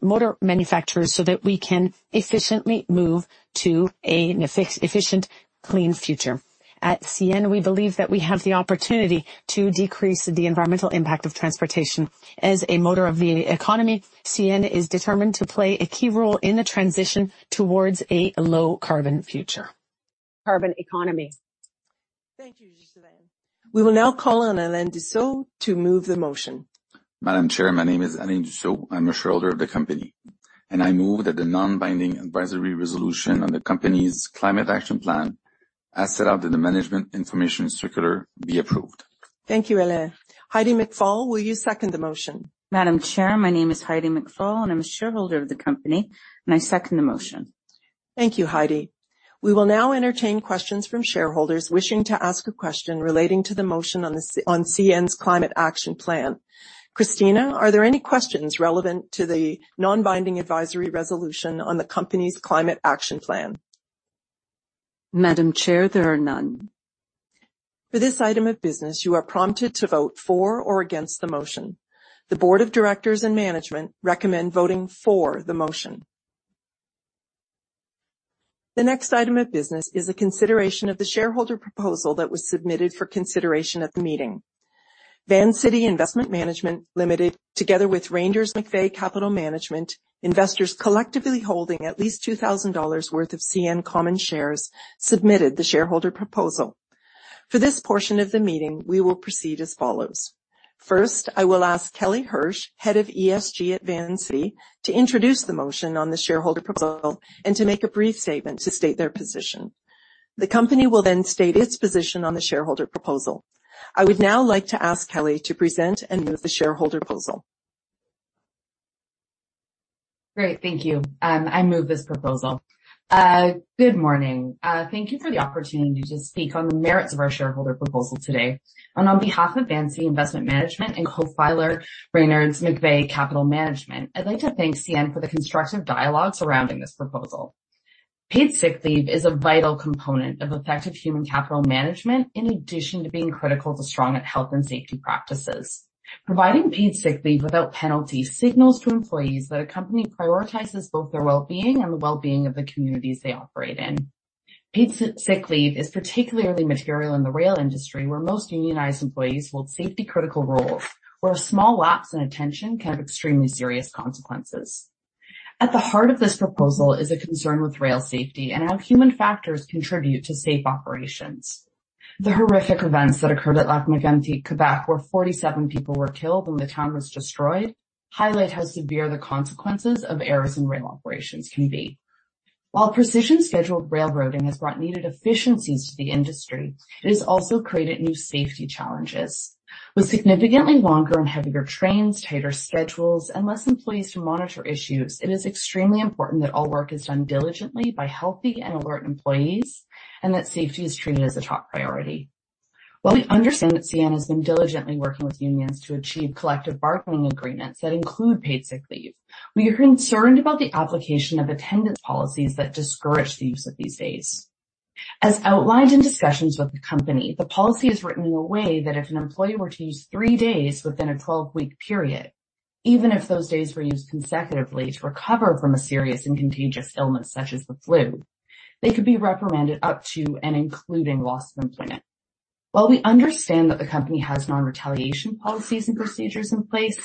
Speaker 4: motor manufacturers, so that we can efficiently move to a efficient, clean future. At CN, we believe that we have the opportunity to decrease the environmental impact of transportation. As a motor of the economy, CN is determined to play a key role in the transition towards a low-carbon future, carbon economy.
Speaker 1: Thank you, Ghislain. We will now call on Alain Dussault to move the motion.
Speaker 5: Madam Chair, my name is Alain Dussault. I'm a shareholder of the company, and I move that the non-binding advisory resolution on the company's climate action plan, as set out in the Management Information Circular, be approved.
Speaker 1: Thank you, Alain. Heidi McFall, will you second the motion?
Speaker 6: Madam Chair, my name is Heidi McFall, and I'm a shareholder of the company, and I second the motion.
Speaker 1: Thank you, Heidi. We will now entertain questions from shareholders wishing to ask a question relating to the motion on CN's climate action plan. Cristina, are there any questions relevant to the non-binding advisory resolution on the company's climate action plan?
Speaker 3: Madam Chair, there are none.
Speaker 1: For this item of business, you are prompted to vote for or against the motion. The board of directors and management recommend voting for the motion. The next item of business is a consideration of the shareholder proposal that was submitted for consideration at the meeting. Vancity Investment Management Ltd., together with Reynders, McVeigh Capital Management, LLC, investors collectively holding at least 2,000 dollars worth of CN common shares, submitted the shareholder proposal. For this portion of the meeting, we will proceed as follows: First, I will ask Kelly Hirsch, Head of ESG at Vancity, to introduce the motion on the shareholder proposal and to make a brief statement to state their position. The company will then state its position on the shareholder proposal. I would now like to ask Kelly to present and move the shareholder proposal.
Speaker 8: Great, thank you. I move this proposal. Good morning. Thank you for the opportunity to speak on the merits of our shareholder proposal today. On behalf of Vancity Investment Management and co-filer Reynders McVeigh Capital Management, I'd like to thank CN for the constructive dialogue surrounding this proposal. ... Paid sick leave is a vital component of effective human capital management, in addition to being critical to strong health and safety practices. Providing paid sick leave without penalty signals to employees that a company prioritizes both their well-being and the well-being of the communities they operate in. Paid sick leave is particularly material in the rail industry, where most unionized employees hold safety-critical roles, where a small lapse in attention can have extremely serious consequences. At the heart of this proposal is a concern with rail safety and how human factors contribute to safe operations. The horrific events that occurred at Lac-Mégantic, Quebec, where 47 people were killed and the town was destroyed, highlight how severe the consequences of errors in rail operations can be. While Precision Scheduled Railroading has brought needed efficiencies to the industry, it has also created new safety challenges. With significantly longer and heavier trains, tighter schedules, and less employees to monitor issues, it is extremely important that all work is done diligently by healthy and alert employees, and that safety is treated as a top priority. While we understand that CN has been diligently working with unions to achieve collective bargaining agreements that include paid sick leave, we are concerned about the application of attendance policies that discourage the use of these days. As outlined in discussions with the company, the policy is written in a way that if an employee were to use 3 days within a 12-week period, even if those days were used consecutively to recover from a serious and contagious illness such as the flu, they could be reprimanded up to and including loss of employment. While we understand that the company has non-retaliation policies and procedures in place,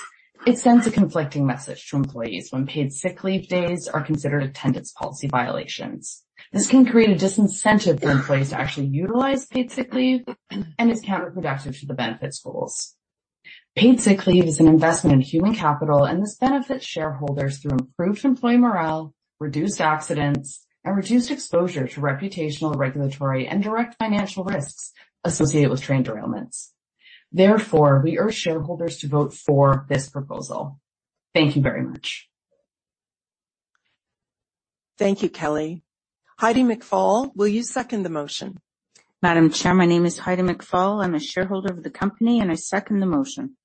Speaker 8: it sends a conflicting message to employees when paid sick leave days are considered attendance policy violations. This can create a disincentive for employees to actually utilize paid sick leave, and it's counterproductive to the benefit's goals. Paid sick leave is an investment in human capital, and this benefits shareholders through improved employee morale, reduced accidents, and reduced exposure to reputational, regulatory, and direct financial risks associated with train derailments. Therefore, we urge shareholders to vote for this proposal. Thank you very much.
Speaker 1: Thank you, Kelly. Heidi McFall, will you second the motion?
Speaker 6: Madam Chair, my name is Heidi McFall. I'm a shareholder of the company, and I second the motion.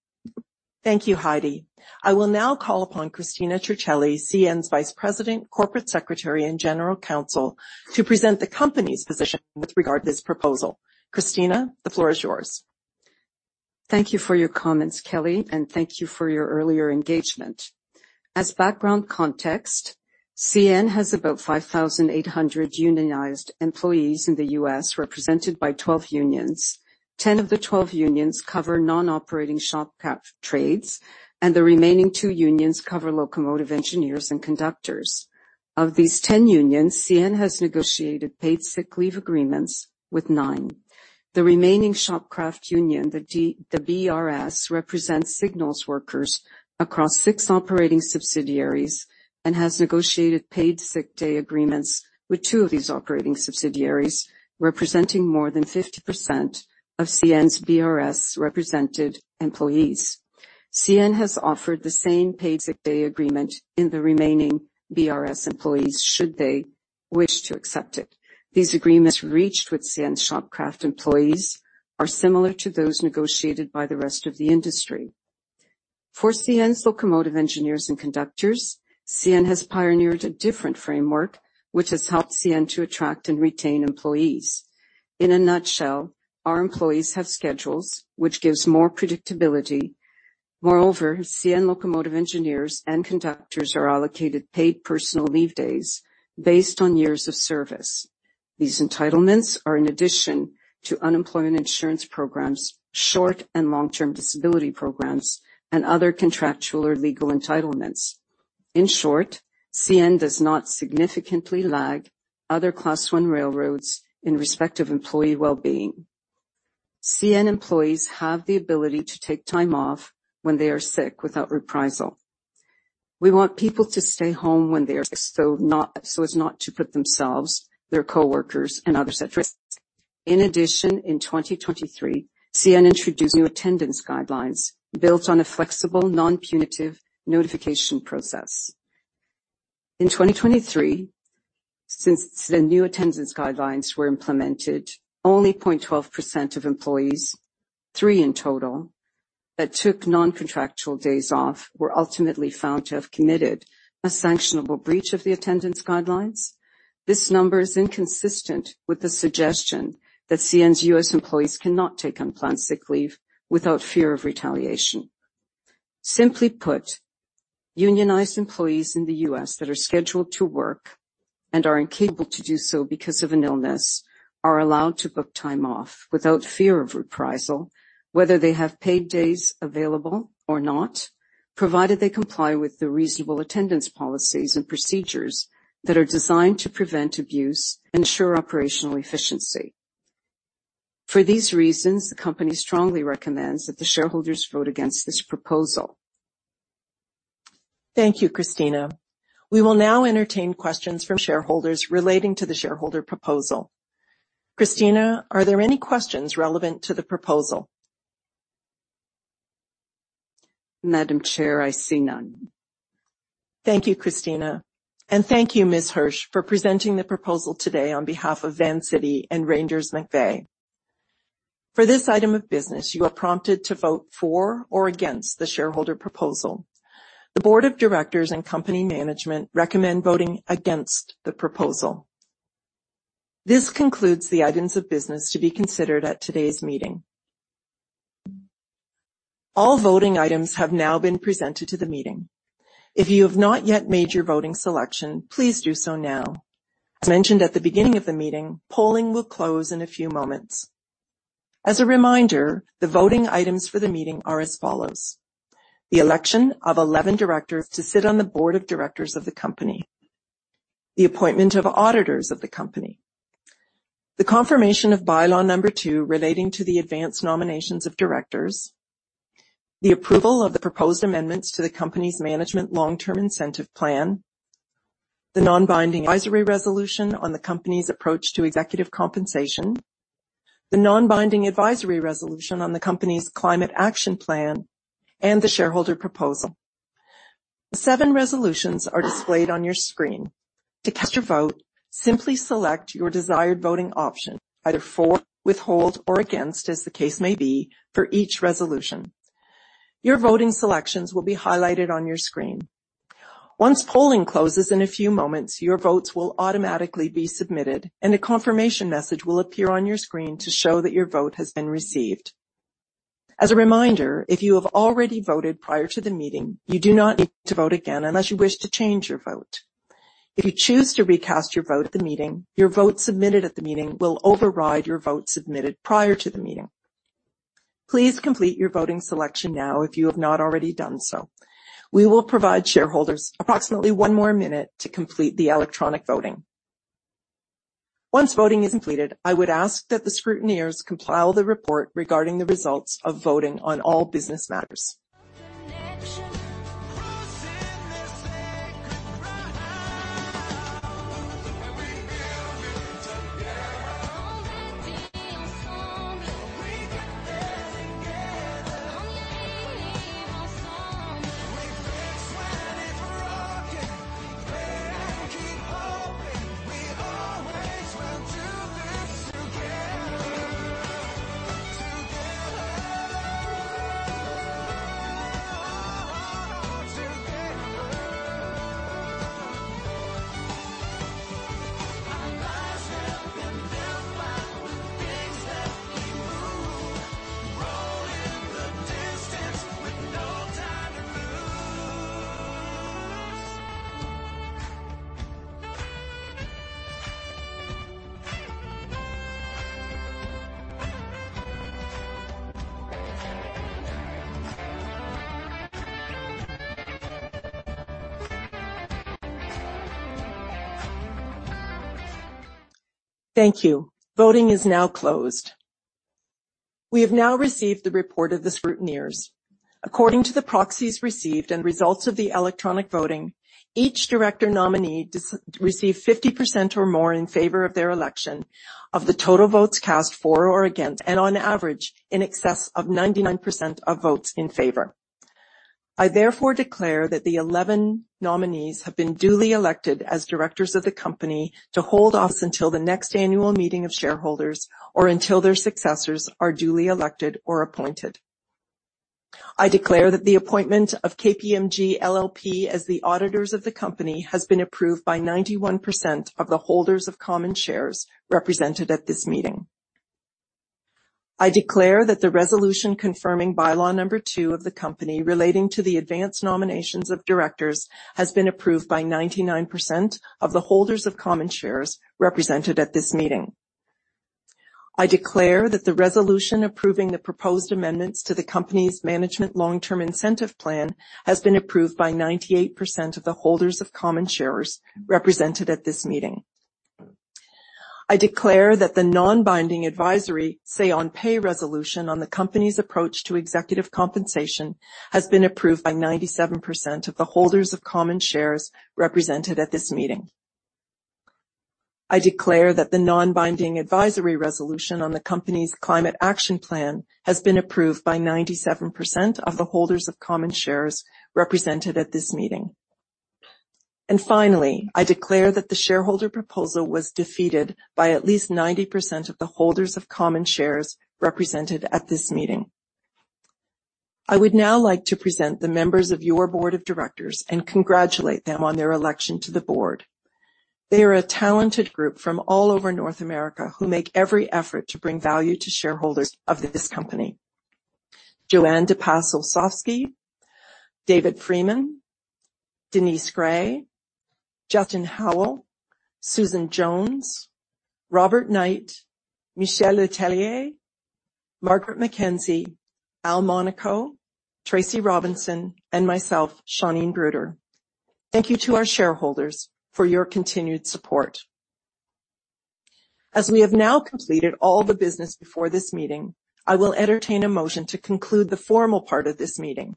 Speaker 1: Thank you, Heidi. I will now call upon Cristina Circelli, CN's Vice-President, Corporate Secretary, and General Counsel, to present the company's position with regard to this proposal. Cristina, the floor is yours.
Speaker 3: Thank you for your comments, Kelly, and thank you for your earlier engagement. As background context, CN has about 5,800 unionized employees in the U.S., represented by 12 unions. 10 of the 12 unions cover non-operating shop craft trades, and the remaining two unions cover locomotive engineers and conductors. Of these 10 unions, CN has negotiated paid sick leave agreements with 9. The remaining shop craft union, the BRS, represents signals workers across 6 operating subsidiaries and has negotiated paid sick day agreements with 2 of these operating subsidiaries, representing more than 50% of CN's BRS-represented employees. CN has offered the same paid sick day agreement in the remaining BRS employees, should they wish to accept it. These agreements reached with CN shop craft employees are similar to those negotiated by the rest of the industry. For CN's locomotive engineers and conductors, CN has pioneered a different framework, which has helped CN to attract and retain employees. In a nutshell, our employees have schedules which gives more predictability. Moreover, CN locomotive engineers and conductors are allocated paid personal leave days based on years of service. These entitlements are in addition to unemployment insurance programs, short and long-term disability programs, and other contractual or legal entitlements. In short, CN does not significantly lag other Class I railroads in respective employee well-being. CN employees have the ability to take time off when they are sick without reprisal. We want people to stay home when they are sick, so as not to put themselves, their coworkers, and others at risk. In addition, in 2023, CN introduced new attendance guidelines built on a flexible, non-punitive notification process. In 2023, since the new attendance guidelines were implemented, only 0.12% of employees, 3 in total, that took non-contractual days off, were ultimately found to have committed a sanctionable breach of the attendance guidelines. This number is inconsistent with the suggestion that CN's U.S. employees cannot take unplanned sick leave without fear of retaliation. Simply put, unionized employees in the U.S. that are scheduled to work and are incapable to do so because of an illness, are allowed to book time off without fear of reprisal, whether they have paid days available or not, provided they comply with the reasonable attendance policies and procedures that are designed to prevent abuse and ensure operational efficiency. For these reasons, the company strongly recommends that the shareholders vote against this proposal.
Speaker 1: Thank you, Cristina. We will now entertain questions from shareholders relating to the shareholder proposal. Cristina, are there any questions relevant to the proposal?
Speaker 3: Madam Chair, I see none.
Speaker 1: Thank you, Cristina, and thank you, Ms. Hirsch, for presenting the proposal today on behalf of Vancity and Reynders McVeigh. For this item of business, you are prompted to vote for or against the shareholder proposal. The board of directors and company management recommend voting against the proposal. This concludes the items of business to be considered at today's meeting. All voting items have now been presented to the meeting. If you have not yet made your voting selection, please do so now. As mentioned at the beginning of the meeting, polling will close in a few moments. As a reminder, the voting items for the meeting are as follows: the election of 11 directors to sit on the board of directors of the company, the appointment of auditors of the company, the confirmation of Bylaw Number 2 relating to the advance nominations of directors, the approval of the proposed amendments to the company's Management Long-Term Incentive Plan, the non-binding advisory resolution on the company's approach to executive compensation, the non-binding advisory resolution on the company's Climate Action Plan, and the shareholder proposal. The 7 resolutions are displayed on your screen. To cast your vote, simply select your desired voting option, either for, withhold, or against, as the case may be, for each resolution. Your voting selections will be highlighted on your screen. Once polling closes in a few moments, your votes will automatically be submitted, and a confirmation message will appear on your screen to show that your vote has been received. As a reminder, if you have already voted prior to the meeting, you do not need to vote again unless you wish to change your vote. If you choose to recast your vote at the meeting, your vote submitted at the meeting will override your vote submitted prior to the meeting. Please complete your voting selection now if you have not already done so. We will provide shareholders approximately one more minute to complete the electronic voting. Once voting is completed, I would ask that the scrutineers compile the report regarding the results of voting on all business matters.
Speaker 9: Crossing the sacred ground. We build it together. Already ensemble. We get there together. On the ensemble. We fix when it's broken, pray and keep hoping. We always will do this together. Together. Oh, together. Our lives have been built by the things that we move. Rolling the distance with no time to lose.
Speaker 1: Thank you. Voting is now closed. We have now received the report of the scrutineers. According to the proxies received and results of the electronic voting, each director nominee received 50% or more in favor of their election, of the total votes cast for or against, and on average, in excess of 99% of votes in favor. I therefore declare that the 11 nominees have been duly elected as directors of the company to hold office until the next annual meeting of shareholders, or until their successors are duly elected or appointed. I declare that the appointment of KPMG LLP as the auditors of the company has been approved by 91% of the holders of common shares represented at this meeting. I declare that the resolution confirming By-law Number Two of the company, relating to the advanced nominations of directors, has been approved by 99% of the holders of common shares represented at this meeting. I declare that the resolution approving the proposed amendments to the company's Management Long-Term Incentive Plan has been approved by 98% of the holders of common shares represented at this meeting. I declare that the non-binding advisory say on pay resolution on the company's approach to executive compensation has been approved by 97% of the holders of common shares represented at this meeting. I declare that the non-binding advisory resolution on the company's Climate Action Plan has been approved by 97% of the holders of common shares represented at this meeting. Finally, I declare that the shareholder proposal was defeated by at least 90% of the holders of common shares represented at this meeting. I would now like to present the members of your board of directors and congratulate them on their election to the board. They are a talented group from all over North America who make every effort to bring value to shareholders of this company. Jo-Ann dePass Olsovsky, David Freeman, Denise Gray, Justin Howell, Susan Jones, Robert Knight, Michel Letellier, Margaret McKenzie, Al Monaco, Tracy Robinson, and myself, Shauneen Bruder. Thank you to our shareholders for your continued support. As we have now completed all the business before this meeting, I will entertain a motion to conclude the formal part of this meeting.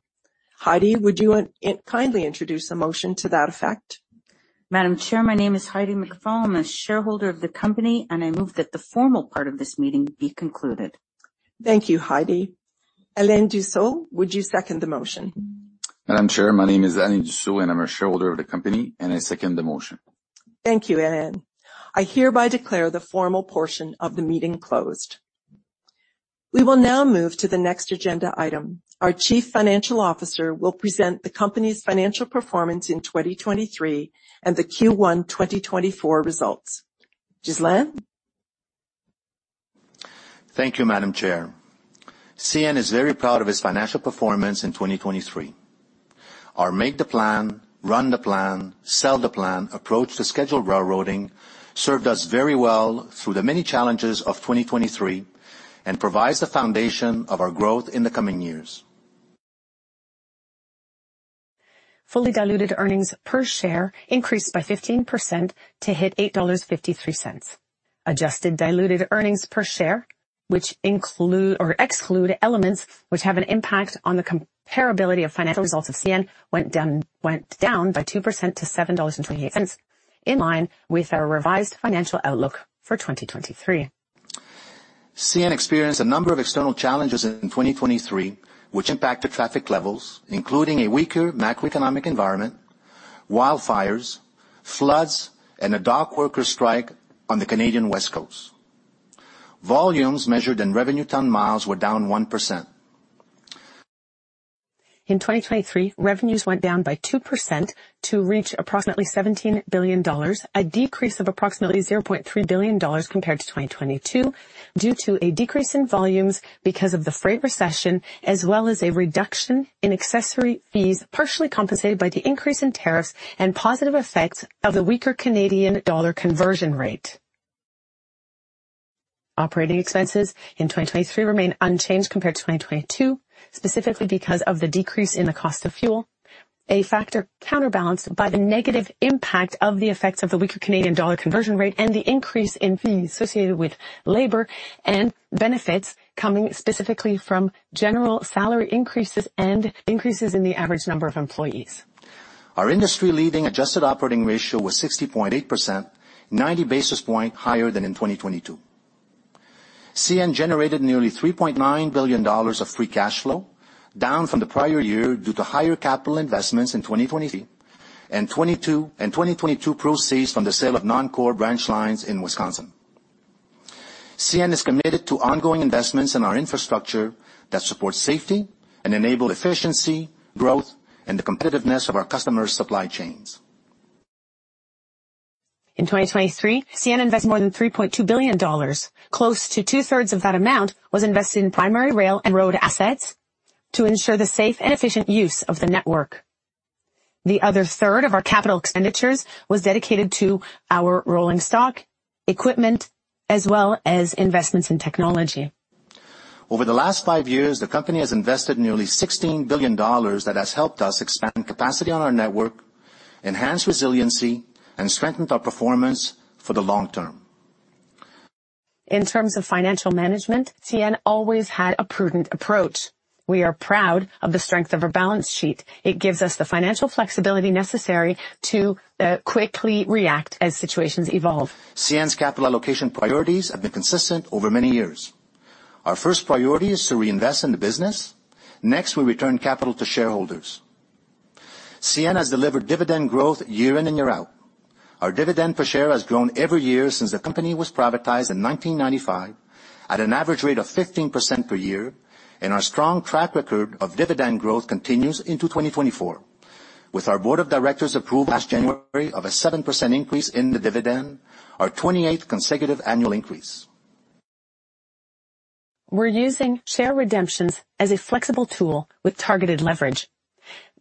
Speaker 1: Heidi, would you kindly introduce a motion to that effect?
Speaker 6: Madam Chair, my name is Heidi McFall. I'm a shareholder of the company, and I move that the formal part of this meeting be concluded.
Speaker 1: Thank you, Heidi. Alain Dussault, would you second the motion?
Speaker 5: Madam Chair, my name is Alain Dussault, and I'm a shareholder of the company, and I second the motion....
Speaker 1: Thank you, Alain. I hereby declare the formal portion of the meeting closed. We will now move to the next agenda item. Our Chief Financial Officer will present the company's financial performance in 2023 and the Q1 2024 results. Ghislain?
Speaker 7: Thank you, Madam Chair. CN is very proud of its financial performance in 2023. Our make the plan, run the plan, sell the plan approach to scheduled railroading served us very well through the many challenges of 2023 and provides the foundation of our growth in the coming years.
Speaker 4: Fully diluted earnings per share increased by 15% to $8.53. Adjusted diluted earnings per share, which include or exclude elements which have an impact on the comparability of financial results of CN, went down by 2% to $7.28, in line with our revised financial outlook for 2023.
Speaker 7: CN experienced a number of external challenges in 2023, which impacted traffic levels, including a weaker macroeconomic environment, wildfires, floods, and a dock worker strike on the Canadian West Coast. Volumes measured in revenue ton miles were down 1%.
Speaker 4: In 2023, revenues went down by 2% to reach approximately 17 billion dollars, a decrease of approximately 0.3 billion dollars compared to 2022, due to a decrease in volumes because of the freight recession, as well as a reduction in accessory fees, partially compensated by the increase in tariffs and positive effects of the weaker Canadian dollar conversion rate. Operating expenses in 2023 remain unchanged compared to 2022, specifically because of the decrease in the cost of fuel, a factor counterbalanced by the negative impact of the effects of the weaker Canadian dollar conversion rate and the increase in fees associated with labor and benefits coming specifically from general salary increases and increases in the average number of employees.
Speaker 7: Our industry-leading adjusted operating ratio was 60.8%, 90 basis points higher than in 2022. CN generated nearly $3.9 billion of free cash flow, down from the prior year due to higher capital investments in 2023 and 2022 proceeds from the sale of non-core branch lines in Wisconsin. CN is committed to ongoing investments in our infrastructure that supports safety and enable efficiency, growth, and the competitiveness of our customers' supply chains.
Speaker 4: In 2023, CN invested more than $3.2 billion. Close to two-thirds of that amount was invested in primary rail and road assets to ensure the safe and efficient use of the network. The other third of our capital expenditures was dedicated to our rolling stock, equipment, as well as investments in technology.
Speaker 7: Over the last five years, the company has invested nearly 16 billion dollars. That has helped us expand capacity on our network, enhance resiliency, and strengthened our performance for the long term.
Speaker 4: In terms of financial management, CN always had a prudent approach. We are proud of the strength of our balance sheet. It gives us the financial flexibility necessary to quickly react as situations evolve.
Speaker 7: CN's capital allocation priorities have been consistent over many years. Our first priority is to reinvest in the business. Next, we return capital to shareholders. CN has delivered dividend growth year in and year out. Our dividend per share has grown every year since the company was privatized in 1995, at an average rate of 15% per year, and our strong track record of dividend growth continues into 2024, with our board of directors approval last January of a 7% increase in the dividend, our 28th consecutive annual increase.
Speaker 4: We're using share redemptions as a flexible tool with targeted leverage.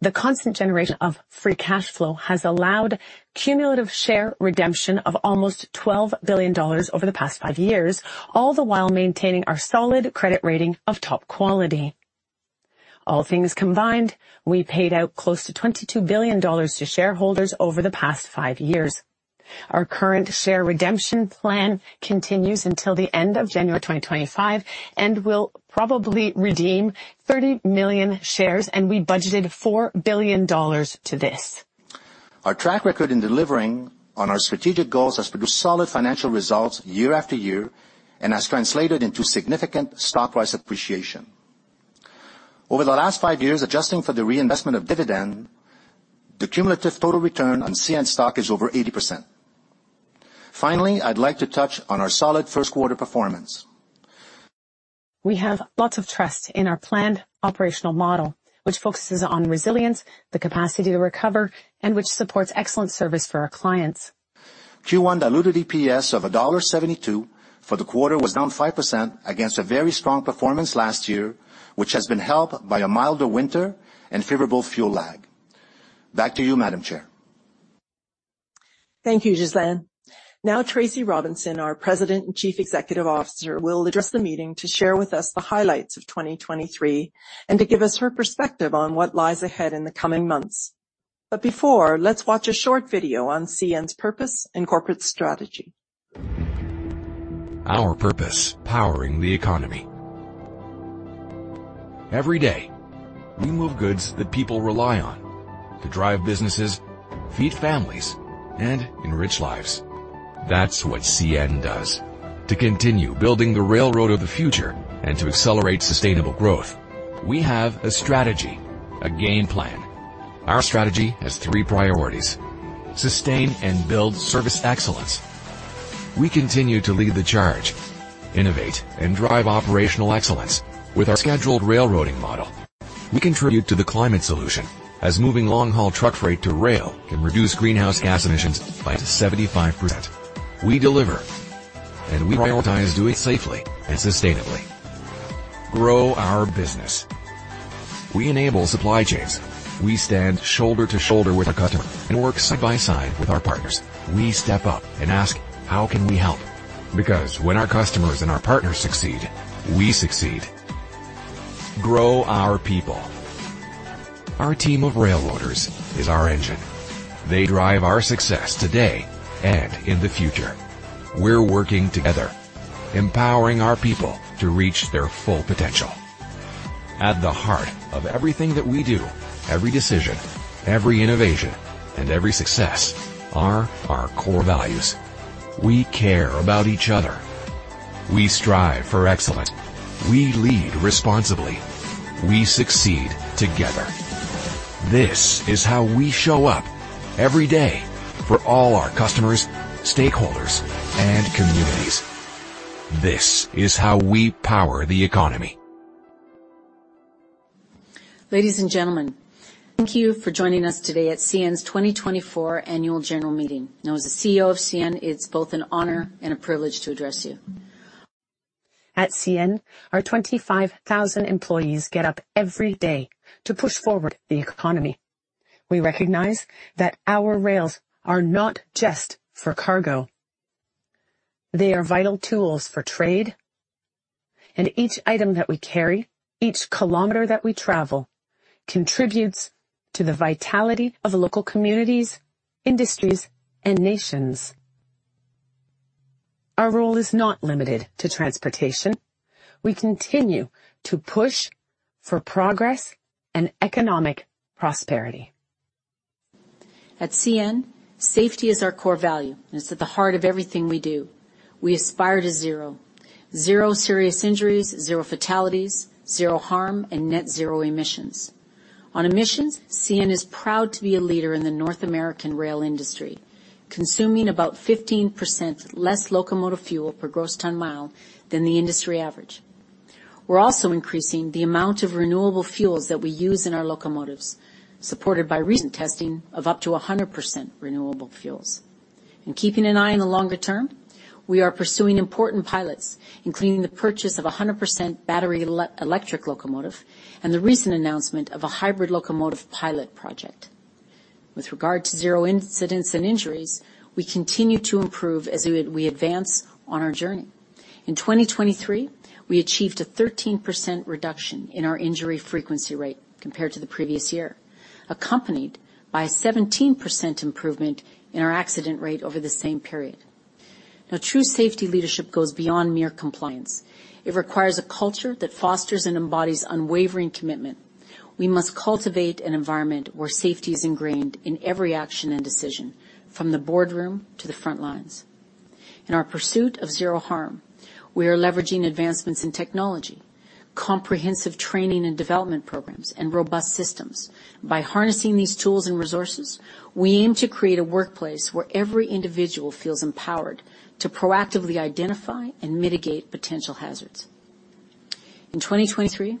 Speaker 4: The constant generation of free cash flow has allowed cumulative share redemption of almost $12 billion over the past five years, all the while maintaining our solid credit rating of top quality. All things combined, we paid out close to $22 billion to shareholders over the past five years. Our current share redemption plan continues until the end of January 2025, and we'll probably redeem 30 million shares, and we budgeted $4 billion to this.
Speaker 7: Our track record in delivering on our strategic goals has produced solid financial results year after year and has translated into significant stock price appreciation. Over the last five years, adjusting for the reinvestment of dividend, the cumulative total return on CN stock is over 80%. Finally, I'd like to touch on our solid first quarter performance.
Speaker 4: We have lots of trust in our planned operational model, which focuses on resilience, the capacity to recover, and which supports excellent service for our clients.
Speaker 7: Q1 diluted EPS of $1.72 for the quarter was down 5% against a very strong performance last year, which has been helped by a milder winter and favorable fuel lag. Back to you, Madam Chair.
Speaker 1: Thank you, Ghislain. Now, Tracy Robinson, our President and Chief Executive Officer, will address the meeting to share with us the highlights of 2023 and to give us her perspective on what lies ahead in the coming months. But before, let's watch a short video on CN's purpose and corporate strategy.
Speaker 9: Our purpose: powering the economy. Every day, we move goods that people rely on to drive businesses, feed families, and enrich lives.... That's what CN does. To continue building the railroad of the future and to accelerate sustainable growth, we have a strategy, a game plan. Our strategy has three priorities: sustain and build service excellence. We continue to lead the charge, innovate, and drive operational excellence with our scheduled railroading model. We contribute to the climate solution as moving long-haul truck freight to rail can reduce greenhouse gas emissions by 75%. We deliver, and we prioritize doing it safely and sustainably. Grow our business. We enable supply chains. We stand shoulder to shoulder with our customer and work side by side with our partners. We step up and ask, "How can we help?" Because when our customers and our partners succeed, we succeed. Grow our people. Our team of railroaders is our engine. They drive our success today and in the future. We're working together, empowering our people to reach their full potential. At the heart of everything that we do, every decision, every innovation, and every success are our core values. We care about each other. We strive for excellence. We lead responsibly. We succeed together. This is how we show up every day for all our customers, stakeholders, and communities. This is how we power the economy.
Speaker 10: Ladies and gentlemen, thank you for joining us today at CN's 2024 Annual General Meeting. Now, as the CEO of CN, it's both an honor and a privilege to address you. At CN, our 25,000 employees get up every day to push forward the economy. We recognize that our rails are not just for cargo, they are vital tools for trade, and each item that we carry, each kilometer that we travel, contributes to the vitality of local communities, industries, and nations. Our role is not limited to transportation. We continue to push for progress and economic prosperity. At CN, safety is our core value, and it's at the heart of everything we do. We aspire to zero. Zero serious injuries, zero fatalities, zero harm, and net zero emissions. On emissions, CN is proud to be a leader in the North American rail industry, consuming about 15% less locomotive fuel per gross ton mile than the industry average. We're also increasing the amount of renewable fuels that we use in our locomotives, supported by recent testing of up to 100% renewable fuels. Keeping an eye on the longer term, we are pursuing important pilots, including the purchase of a 100% battery electric locomotive and the recent announcement of a hybrid locomotive pilot project. With regard to zero incidents and injuries, we continue to improve as we advance on our journey. In 2023, we achieved a 13% reduction in our injury frequency rate compared to the previous year, accompanied by a 17% improvement in our accident rate over the same period. Now, true safety leadership goes beyond mere compliance. It requires a culture that fosters and embodies unwavering commitment. We must cultivate an environment where safety is ingrained in every action and decision, from the boardroom to the front lines. In our pursuit of zero harm, we are leveraging advancements in technology, comprehensive training and development programs, and robust systems. By harnessing these tools and resources, we aim to create a workplace where every individual feels empowered to proactively identify and mitigate potential hazards. In 2023,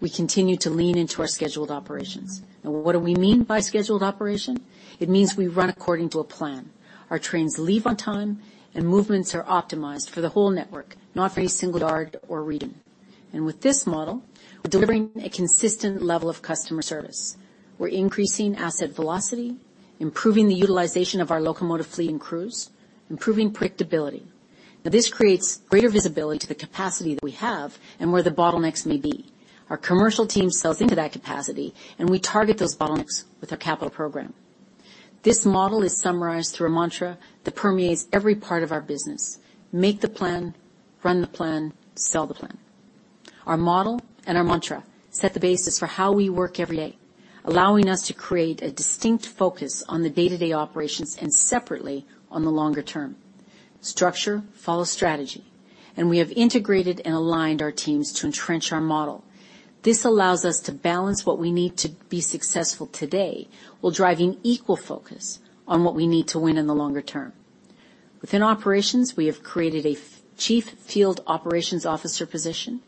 Speaker 10: we continued to lean into our scheduled operations. What do we mean by scheduled operation? It means we run according to a plan. Our trains leave on time, and movements are optimized for the whole network, not for a single yard or region. With this model, we're delivering a consistent level of customer service. We're increasing asset velocity, improving the utilization of our locomotive fleet and crews, improving predictability. Now, this creates greater visibility to the capacity that we have and where the bottlenecks may be. Our commercial team sells into that capacity, and we target those bottlenecks with our capital program. This model is summarized through a mantra that permeates every part of our business: Make the plan, run the plan, sell the plan. Our model and our mantra set the basis for how we work every day, allowing us to create a distinct focus on the day-to-day operations and separately on the longer term. Structure follows strategy, and we have integrated and aligned our teams to entrench our model. This allows us to balance what we need to be successful today, while driving equal focus on what we need to win in the longer term. Within operations, we have created a F... Chief Field Operations Officer position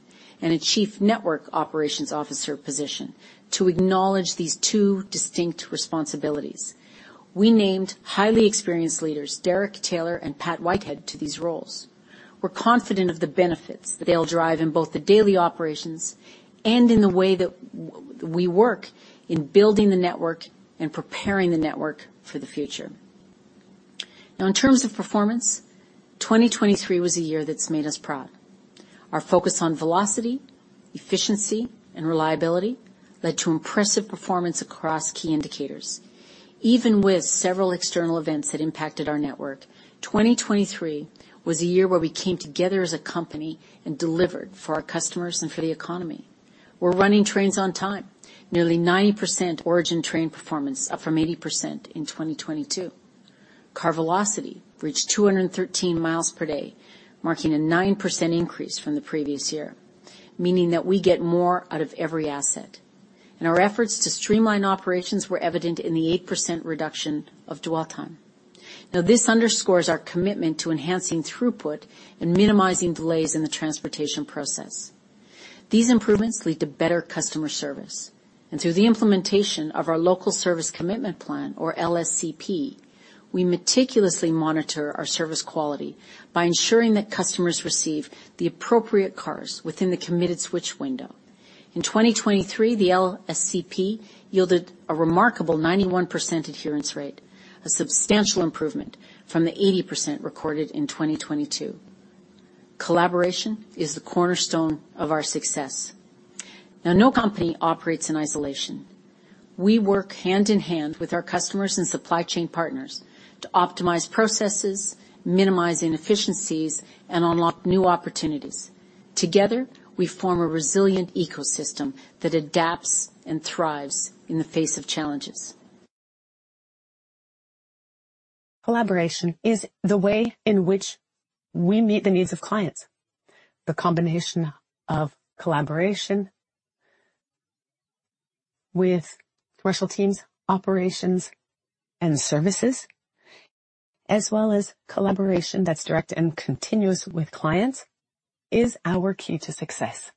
Speaker 10: and a Chief Network Operations Officer position to acknowledge these two distinct responsibilities. We named highly experienced leaders, Derek Taylor and Pat Whitehead, to these roles. We're confident of the benefits that they'll drive in both the daily operations and in the way that we work in building the network and preparing the network for the future. Now, in terms of performance, 2023 was a year that's made us proud. Our focus on velocity, efficiency, and reliability led to impressive performance across key indicators. Even with several external events that impacted our network, 2023 was a year where we came together as a company and delivered for our customers and for the economy.... We're running trains on time, nearly 90% origin train performance, up from 80% in 2022. Car velocity reached 213 miles per day, marking a 9% increase from the previous year, meaning that we get more out of every asset. Our efforts to streamline operations were evident in the 8% reduction of dwell time. Now, this underscores our commitment to enhancing throughput and minimizing delays in the transportation process. These improvements lead to better customer service, and through the implementation of our Local Service Commitment Plan, or LSCP, we meticulously monitor our service quality by ensuring that customers receive the appropriate cars within the committed switch window. In 2023, the LSCP yielded a remarkable 91% adherence rate, a substantial improvement from the 80% recorded in 2022. Collaboration is the cornerstone of our success. Now, no company operates in isolation. We work hand in hand with our customers and supply chain partners to optimize processes, minimize inefficiencies, and unlock new opportunities. Together, we form a resilient ecosystem that adapts and thrives in the face of challenges. Collaboration is the way in which we meet the needs of clients. The combination of collaboration with commercial teams, operations, and services, as well as collaboration that's direct and continuous with clients, is our key to success.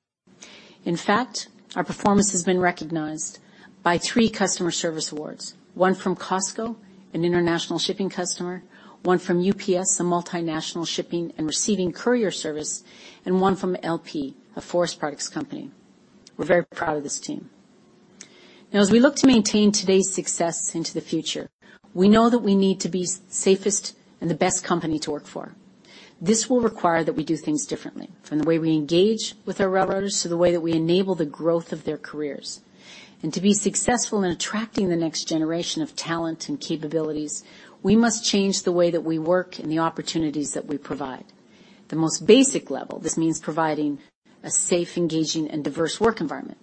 Speaker 10: In fact, our performance has been recognized by three customer service awards: one from Costco, an international shipping customer, one from UPS, a multinational shipping and receiving courier service, and one from LP, a forest products company. We're very proud of this team. Now, as we look to maintain today's success into the future, we know that we need to be safest and the best company to work for. This will require that we do things differently, from the way we engage with our railroaders to the way that we enable the growth of their careers. To be successful in attracting the next generation of talent and capabilities, we must change the way that we work and the opportunities that we provide. The most basic level, this means providing a safe, engaging, and diverse work environment.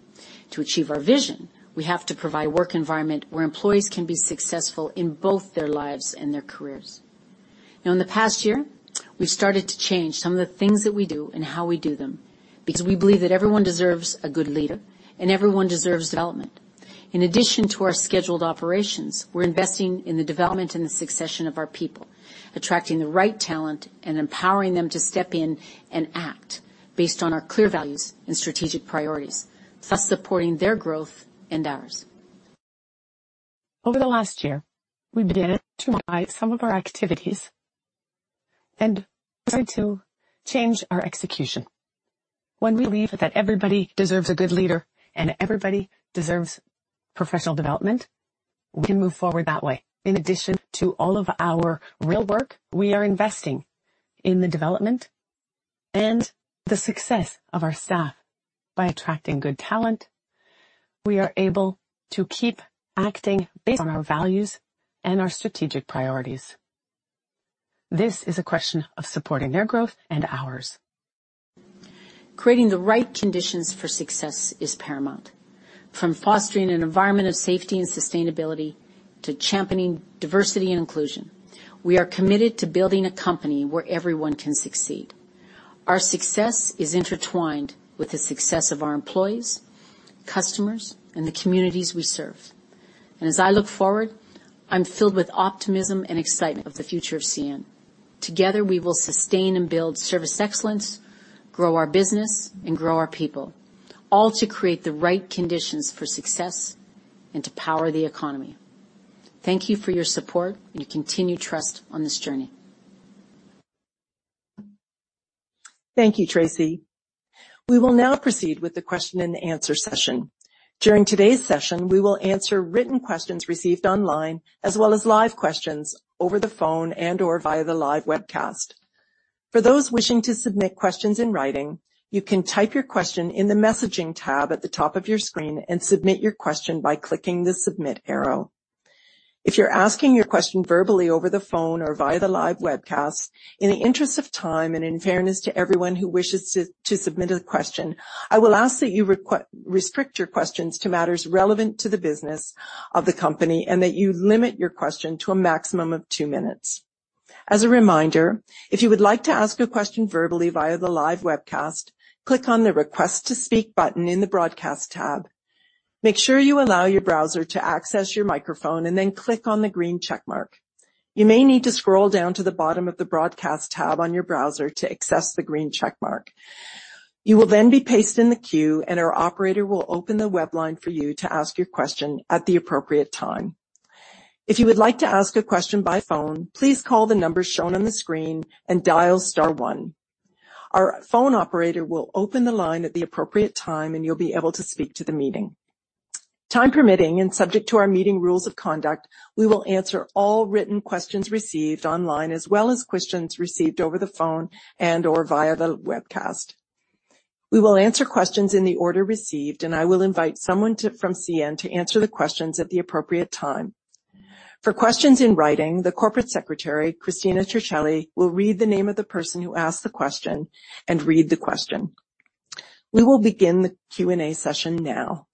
Speaker 10: To achieve our vision, we have to provide a work environment where employees can be successful in both their lives and their careers. Now, in the past year, we've started to change some of the things that we do and how we do them, because we believe that everyone deserves a good leader and everyone deserves development. In addition to our scheduled operations, we're investing in the development and the succession of our people, attracting the right talent and empowering them to step in and act based on our clear values and strategic priorities, thus supporting their growth and ours. Over the last year, we began to modify some of our activities and started to change our execution. When we believe that everybody deserves a good leader and everybody deserves professional development, we can move forward that way. In addition to all of our real work, we are investing in the development and the success of our staff. By attracting good talent, we are able to keep acting based on our values and our strategic priorities. This is a question of supporting their growth and ours. Creating the right conditions for success is paramount. From fostering an environment of safety and sustainability to championing diversity and inclusion, we are committed to building a company where everyone can succeed. Our success is intertwined with the success of our employees, customers, and the communities we serve. As I look forward, I'm filled with optimism and excitement of the future of CN. Together, we will sustain and build service excellence, grow our business, and grow our people, all to create the right conditions for success and to power the economy. Thank you for your support and your continued trust on this journey.
Speaker 1: Thank you, Tracy. We will now proceed with the question and answer session. During today's session, we will answer written questions received online, as well as live questions over the phone and/or via the live webcast. For those wishing to submit questions in writing, you can type your question in the messaging tab at the top of your screen and submit your question by clicking the Submit arrow. If you're asking your question verbally over the phone or via the live webcast, in the interest of time and in fairness to everyone who wishes to submit a question, I will ask that you restrict your questions to matters relevant to the business of the company, and that you limit your question to a maximum of two minutes. As a reminder, if you would like to ask a question verbally via the live webcast, click on the Request to Speak button in the Broadcast tab. Make sure you allow your browser to access your microphone, and then click on the green check mark. You may need to scroll down to the bottom of the Broadcast tab on your browser to access the green check mark. You will then be placed in the queue, and our operator will open the web line for you to ask your question at the appropriate time. If you would like to ask a question by phone, please call the number shown on the screen and dial star one. Our phone operator will open the line at the appropriate time, and you'll be able to speak to the meeting. Time permitting, and subject to our meeting rules of conduct, we will answer all written questions received online as well as questions received over the phone and/or via the webcast. We will answer questions in the order received, and I will invite someone from CN to answer the questions at the appropriate time. For questions in writing, the Corporate Secretary, Cristina Circelli, will read the name of the person who asked the question and read the question. We will begin the Q&A session now.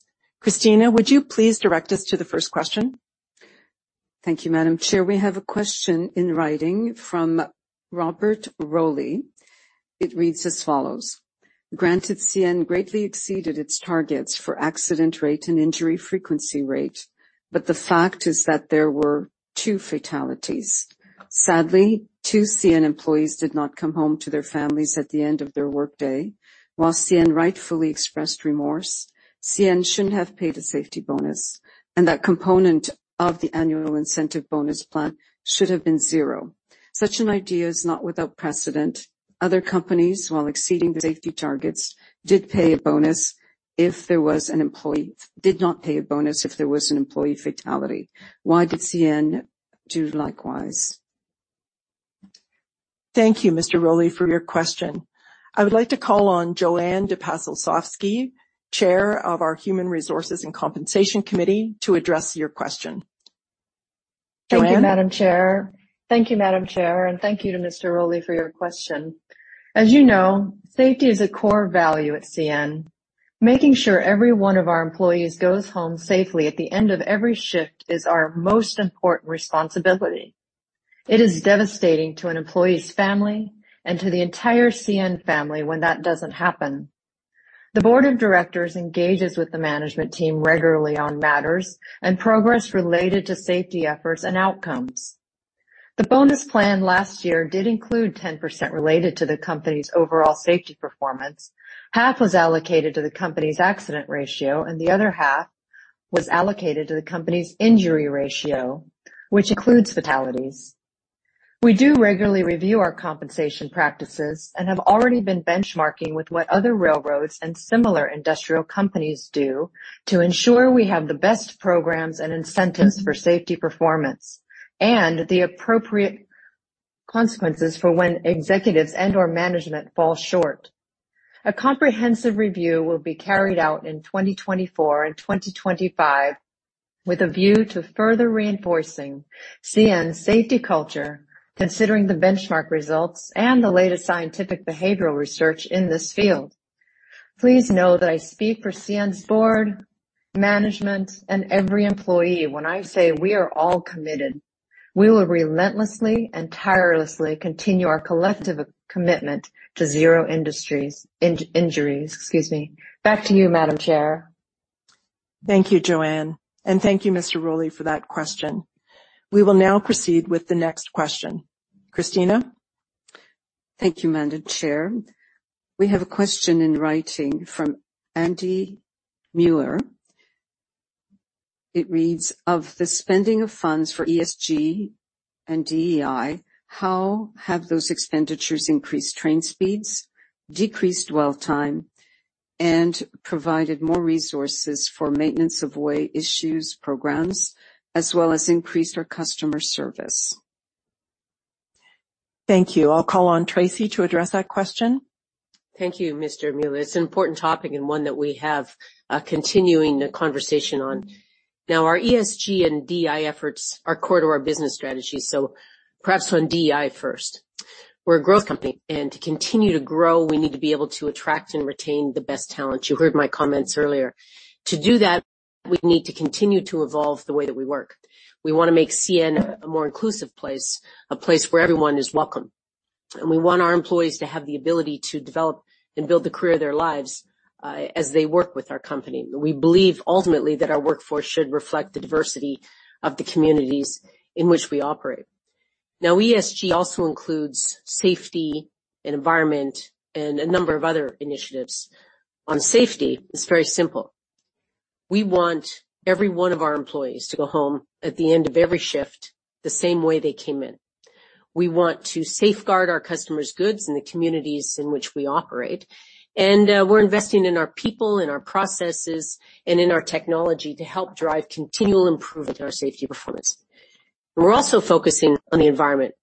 Speaker 1: Cristina, would you please direct us to the first question?
Speaker 3: Thank you, Madam Chair. We have a question in writing from Robert Rowley. It reads as follows: Granted, CN greatly exceeded its targets for accident rate and injury frequency rate, but the fact is that there were two fatalities. Sadly, two CN employees did not come home to their families at the end of their workday. While CN rightfully expressed remorse, CN shouldn't have paid a safety bonus, and that component of the annual incentive bonus plan should have been zero. Such an idea is not without precedent. Other companies, while exceeding the safety targets, did not pay a bonus if there was an employee fatality. Why did CN do likewise?
Speaker 1: Thank you, Mr. Rowley, for your question. I would like to call on Jo-Ann dePass Olsovsky, Chair of our Human Resources and Compensation Committee, to address your question. Jo-Ann?
Speaker 11: Thank you, Madam Chair. Thank you, Madam Chair, and thank you to Mr. Rowley for your question. As you know, safety is a core value at CN. Making sure every one of our employees goes home safely at the end of every shift is our most important responsibility. It is devastating to an employee's family and to the entire CN family when that doesn't happen. The board of directors engages with the management team regularly on matters and progress related to safety efforts and outcomes. The bonus plan last year did include 10% related to the company's overall safety performance. Half was allocated to the company's accident ratio, and the other half was allocated to the company's injury ratio, which includes fatalities. We do regularly review our compensation practices and have already been benchmarking with what other railroads and similar industrial companies do to ensure we have the best programs and incentives for safety, performance, and the appropriate consequences for when executives and/or management fall short. A comprehensive review will be carried out in 2024 and 2025, with a view to further reinforcing CN's safety culture, considering the benchmark results and the latest scientific behavioral research in this field. Please know that I speak for CN's board, management, and every employee when I say we are all committed, we will relentlessly and tirelessly continue our collective commitment to zero injuries. Excuse me. Back to you, Madam Chair.
Speaker 1: Thank you, Jo-Ann, and thank you, Mr. Rowley, for that question. We will now proceed with the next question. Cristina?
Speaker 3: Thank you, Madam Chair. We have a question in writing from Andy Mueller. It reads: Of the spending of funds for ESG and DEI, how have those expenditures increased train speeds, decreased dwell time, and provided more resources for maintenance of way issues, programs, as well as increased our customer service?
Speaker 1: Thank you. I'll call on Tracy to address that question.
Speaker 10: Thank you, Mr. Mueller. It's an important topic and one that we have a continuing conversation on. Now, our ESG and DEI efforts are core to our business strategy, so perhaps on DEI first. We're a growth company, and to continue to grow, we need to be able to attract and retain the best talent. You heard my comments earlier. To do that, we need to continue to evolve the way that we work. We want to make CN a more inclusive place, a place where everyone is welcome, and we want our employees to have the ability to develop and build the career of their lives, as they work with our company. We believe ultimately that our workforce should reflect the diversity of the communities in which we operate. Now, ESG also includes safety and environment and a number of other initiatives. On safety, it's very simple. We want every one of our employees to go home at the end of every shift, the same way they came in. We want to safeguard our customers' goods and the communities in which we operate, and we're investing in our people, in our processes, and in our technology to help drive continual improvement in our safety performance. We're also focusing on the environment,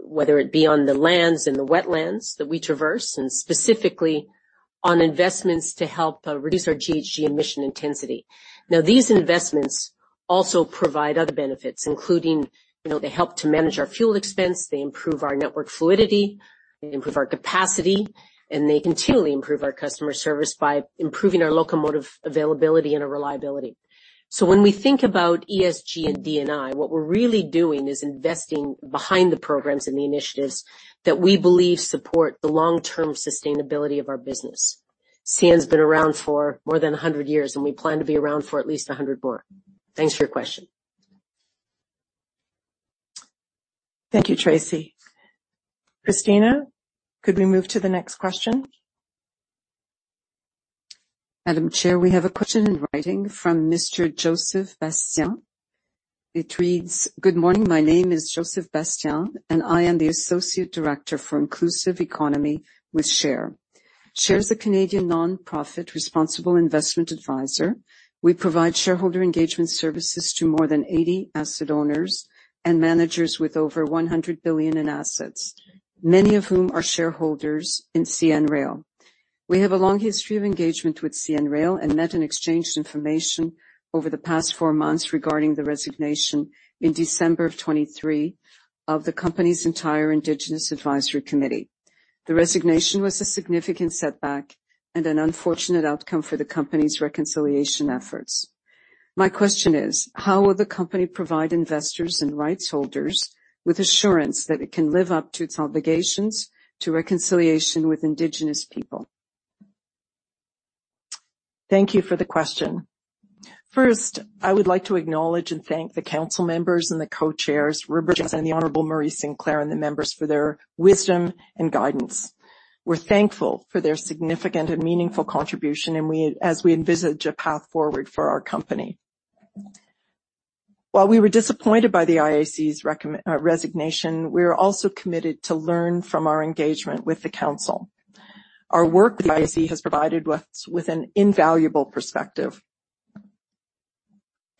Speaker 10: whether it be on the lands and the wetlands that we traverse, and specifically on investments to help reduce our GHG emission intensity. Now, these investments also provide other benefits, including, you know, they help to manage our fuel expense, they improve our network fluidity, they improve our capacity, and they continually improve our customer service by improving our locomotive availability and our reliability. When we think about ESG and D&I, what we're really doing is investing behind the programs and the initiatives that we believe support the long-term sustainability of our business. CN's been around for more than 100 years, and we plan to be around for at least 100 more. Thanks for your question.
Speaker 1: Thank you, Tracy. Cristina, could we move to the next question?
Speaker 3: Madam Chair, we have a question in writing from Mr. Joseph Bastian. It reads: Good morning. My name is Joseph Bastian, and I am the Associate Director for Inclusive Economy with Share. Share is a Canadian nonprofit, responsible investment advisor. We provide shareholder engagement services to more than 80 asset owners and managers with over 100 billion in assets, many of whom are shareholders in CN Rail.... We have a long history of engagement with CN Rail and met and exchanged information over the past 4 months regarding the resignation in December of 2023 of the company's entire Indigenous Advisory Committee. The resignation was a significant setback and an unfortunate outcome for the company's reconciliation efforts. My question is, how will the company provide investors and rights holders with assurance that it can live up to its obligations to reconciliation with Indigenous people?
Speaker 1: Thank you for the question. First, I would like to acknowledge and thank the council members and the co-chairs, Bridges, and the Honorable Murray Sinclair, and the members for their wisdom and guidance. We're thankful for their significant and meaningful contribution, and we, as we envisage a path forward for our company. While we were disappointed by the IAC's resignation, we are also committed to learn from our engagement with the council. Our work with the IAC has provided us with an invaluable perspective,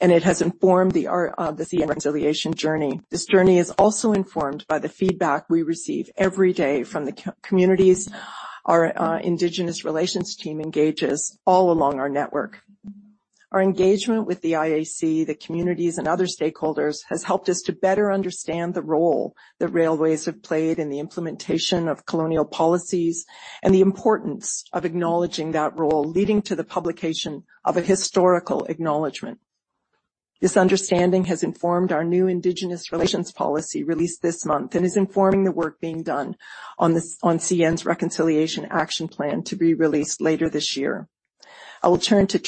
Speaker 1: and it has informed the CN reconciliation journey. This journey is also informed by the feedback we receive every day from the communities our Indigenous relations team engages all along our network. Our engagement with the IAC, the communities, and other stakeholders has helped us to better understand the role that railways have played in the implementation of colonial policies, and the importance of acknowledging that role, leading to the publication of a historical acknowledgment. This understanding has informed our new Indigenous Relations Policy, released this month, and is informing the work being done on CN's Reconciliation Action Plan to be released later this year. I will turn to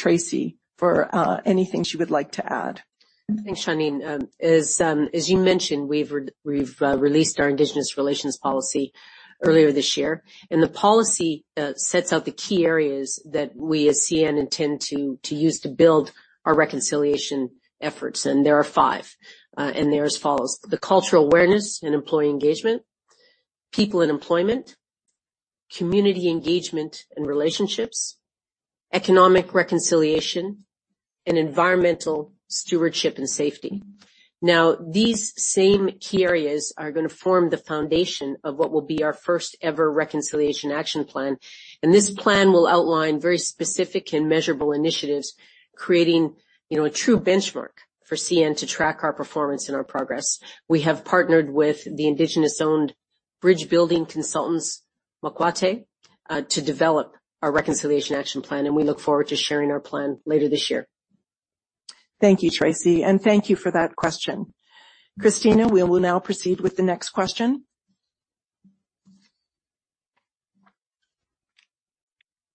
Speaker 1: Tracy for anything she would like to add.
Speaker 10: Thanks, Shauneen. As you mentioned, we've released our Indigenous Relations Policy earlier this year. And the policy sets out the key areas that we as CN intend to use to build our reconciliation efforts. And there are five, and they're as follows: the cultural awareness and employee engagement, people and employment, community engagement and relationships, economic reconciliation, and environmental stewardship and safety. Now, these same key areas are gonna form the foundation of what will be our first ever Reconciliation Action Plan. And this plan will outline very specific and measurable initiatives, creating, you know, a true benchmark for CN to track our performance and our progress. We have partnered with the Indigenous-owned bridge building consultants, Mokwateh, to develop our Reconciliation Action Plan, and we look forward to sharing our plan later this year.
Speaker 1: Thank you, Tracy, and thank you for that question. Cristina, we will now proceed with the next question.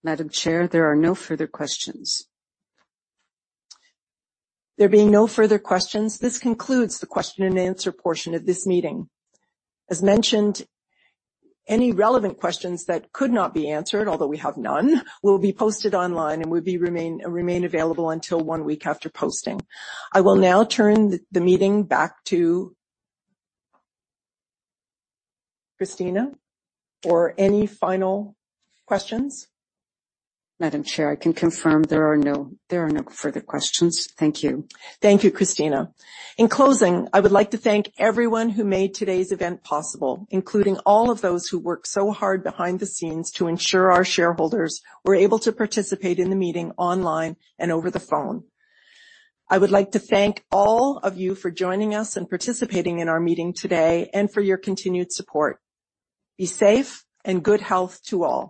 Speaker 3: Madam Chair, there are no further questions.
Speaker 1: There being no further questions, this concludes the question and answer portion of this meeting. As mentioned, any relevant questions that could not be answered, although we have none, will be posted online and will remain available until one week after posting. I will now turn the meeting back to... Cristina, for any final questions.
Speaker 3: Madam Chair, I can confirm there are no further questions. Thank you.
Speaker 1: Thank you, Cristina. In closing, I would like to thank everyone who made today's event possible, including all of those who worked so hard behind the scenes to ensure our shareholders were able to participate in the meeting online and over the phone. I would like to thank all of you for joining us and participating in our meeting today, and for your continued support. Be safe and good health to all.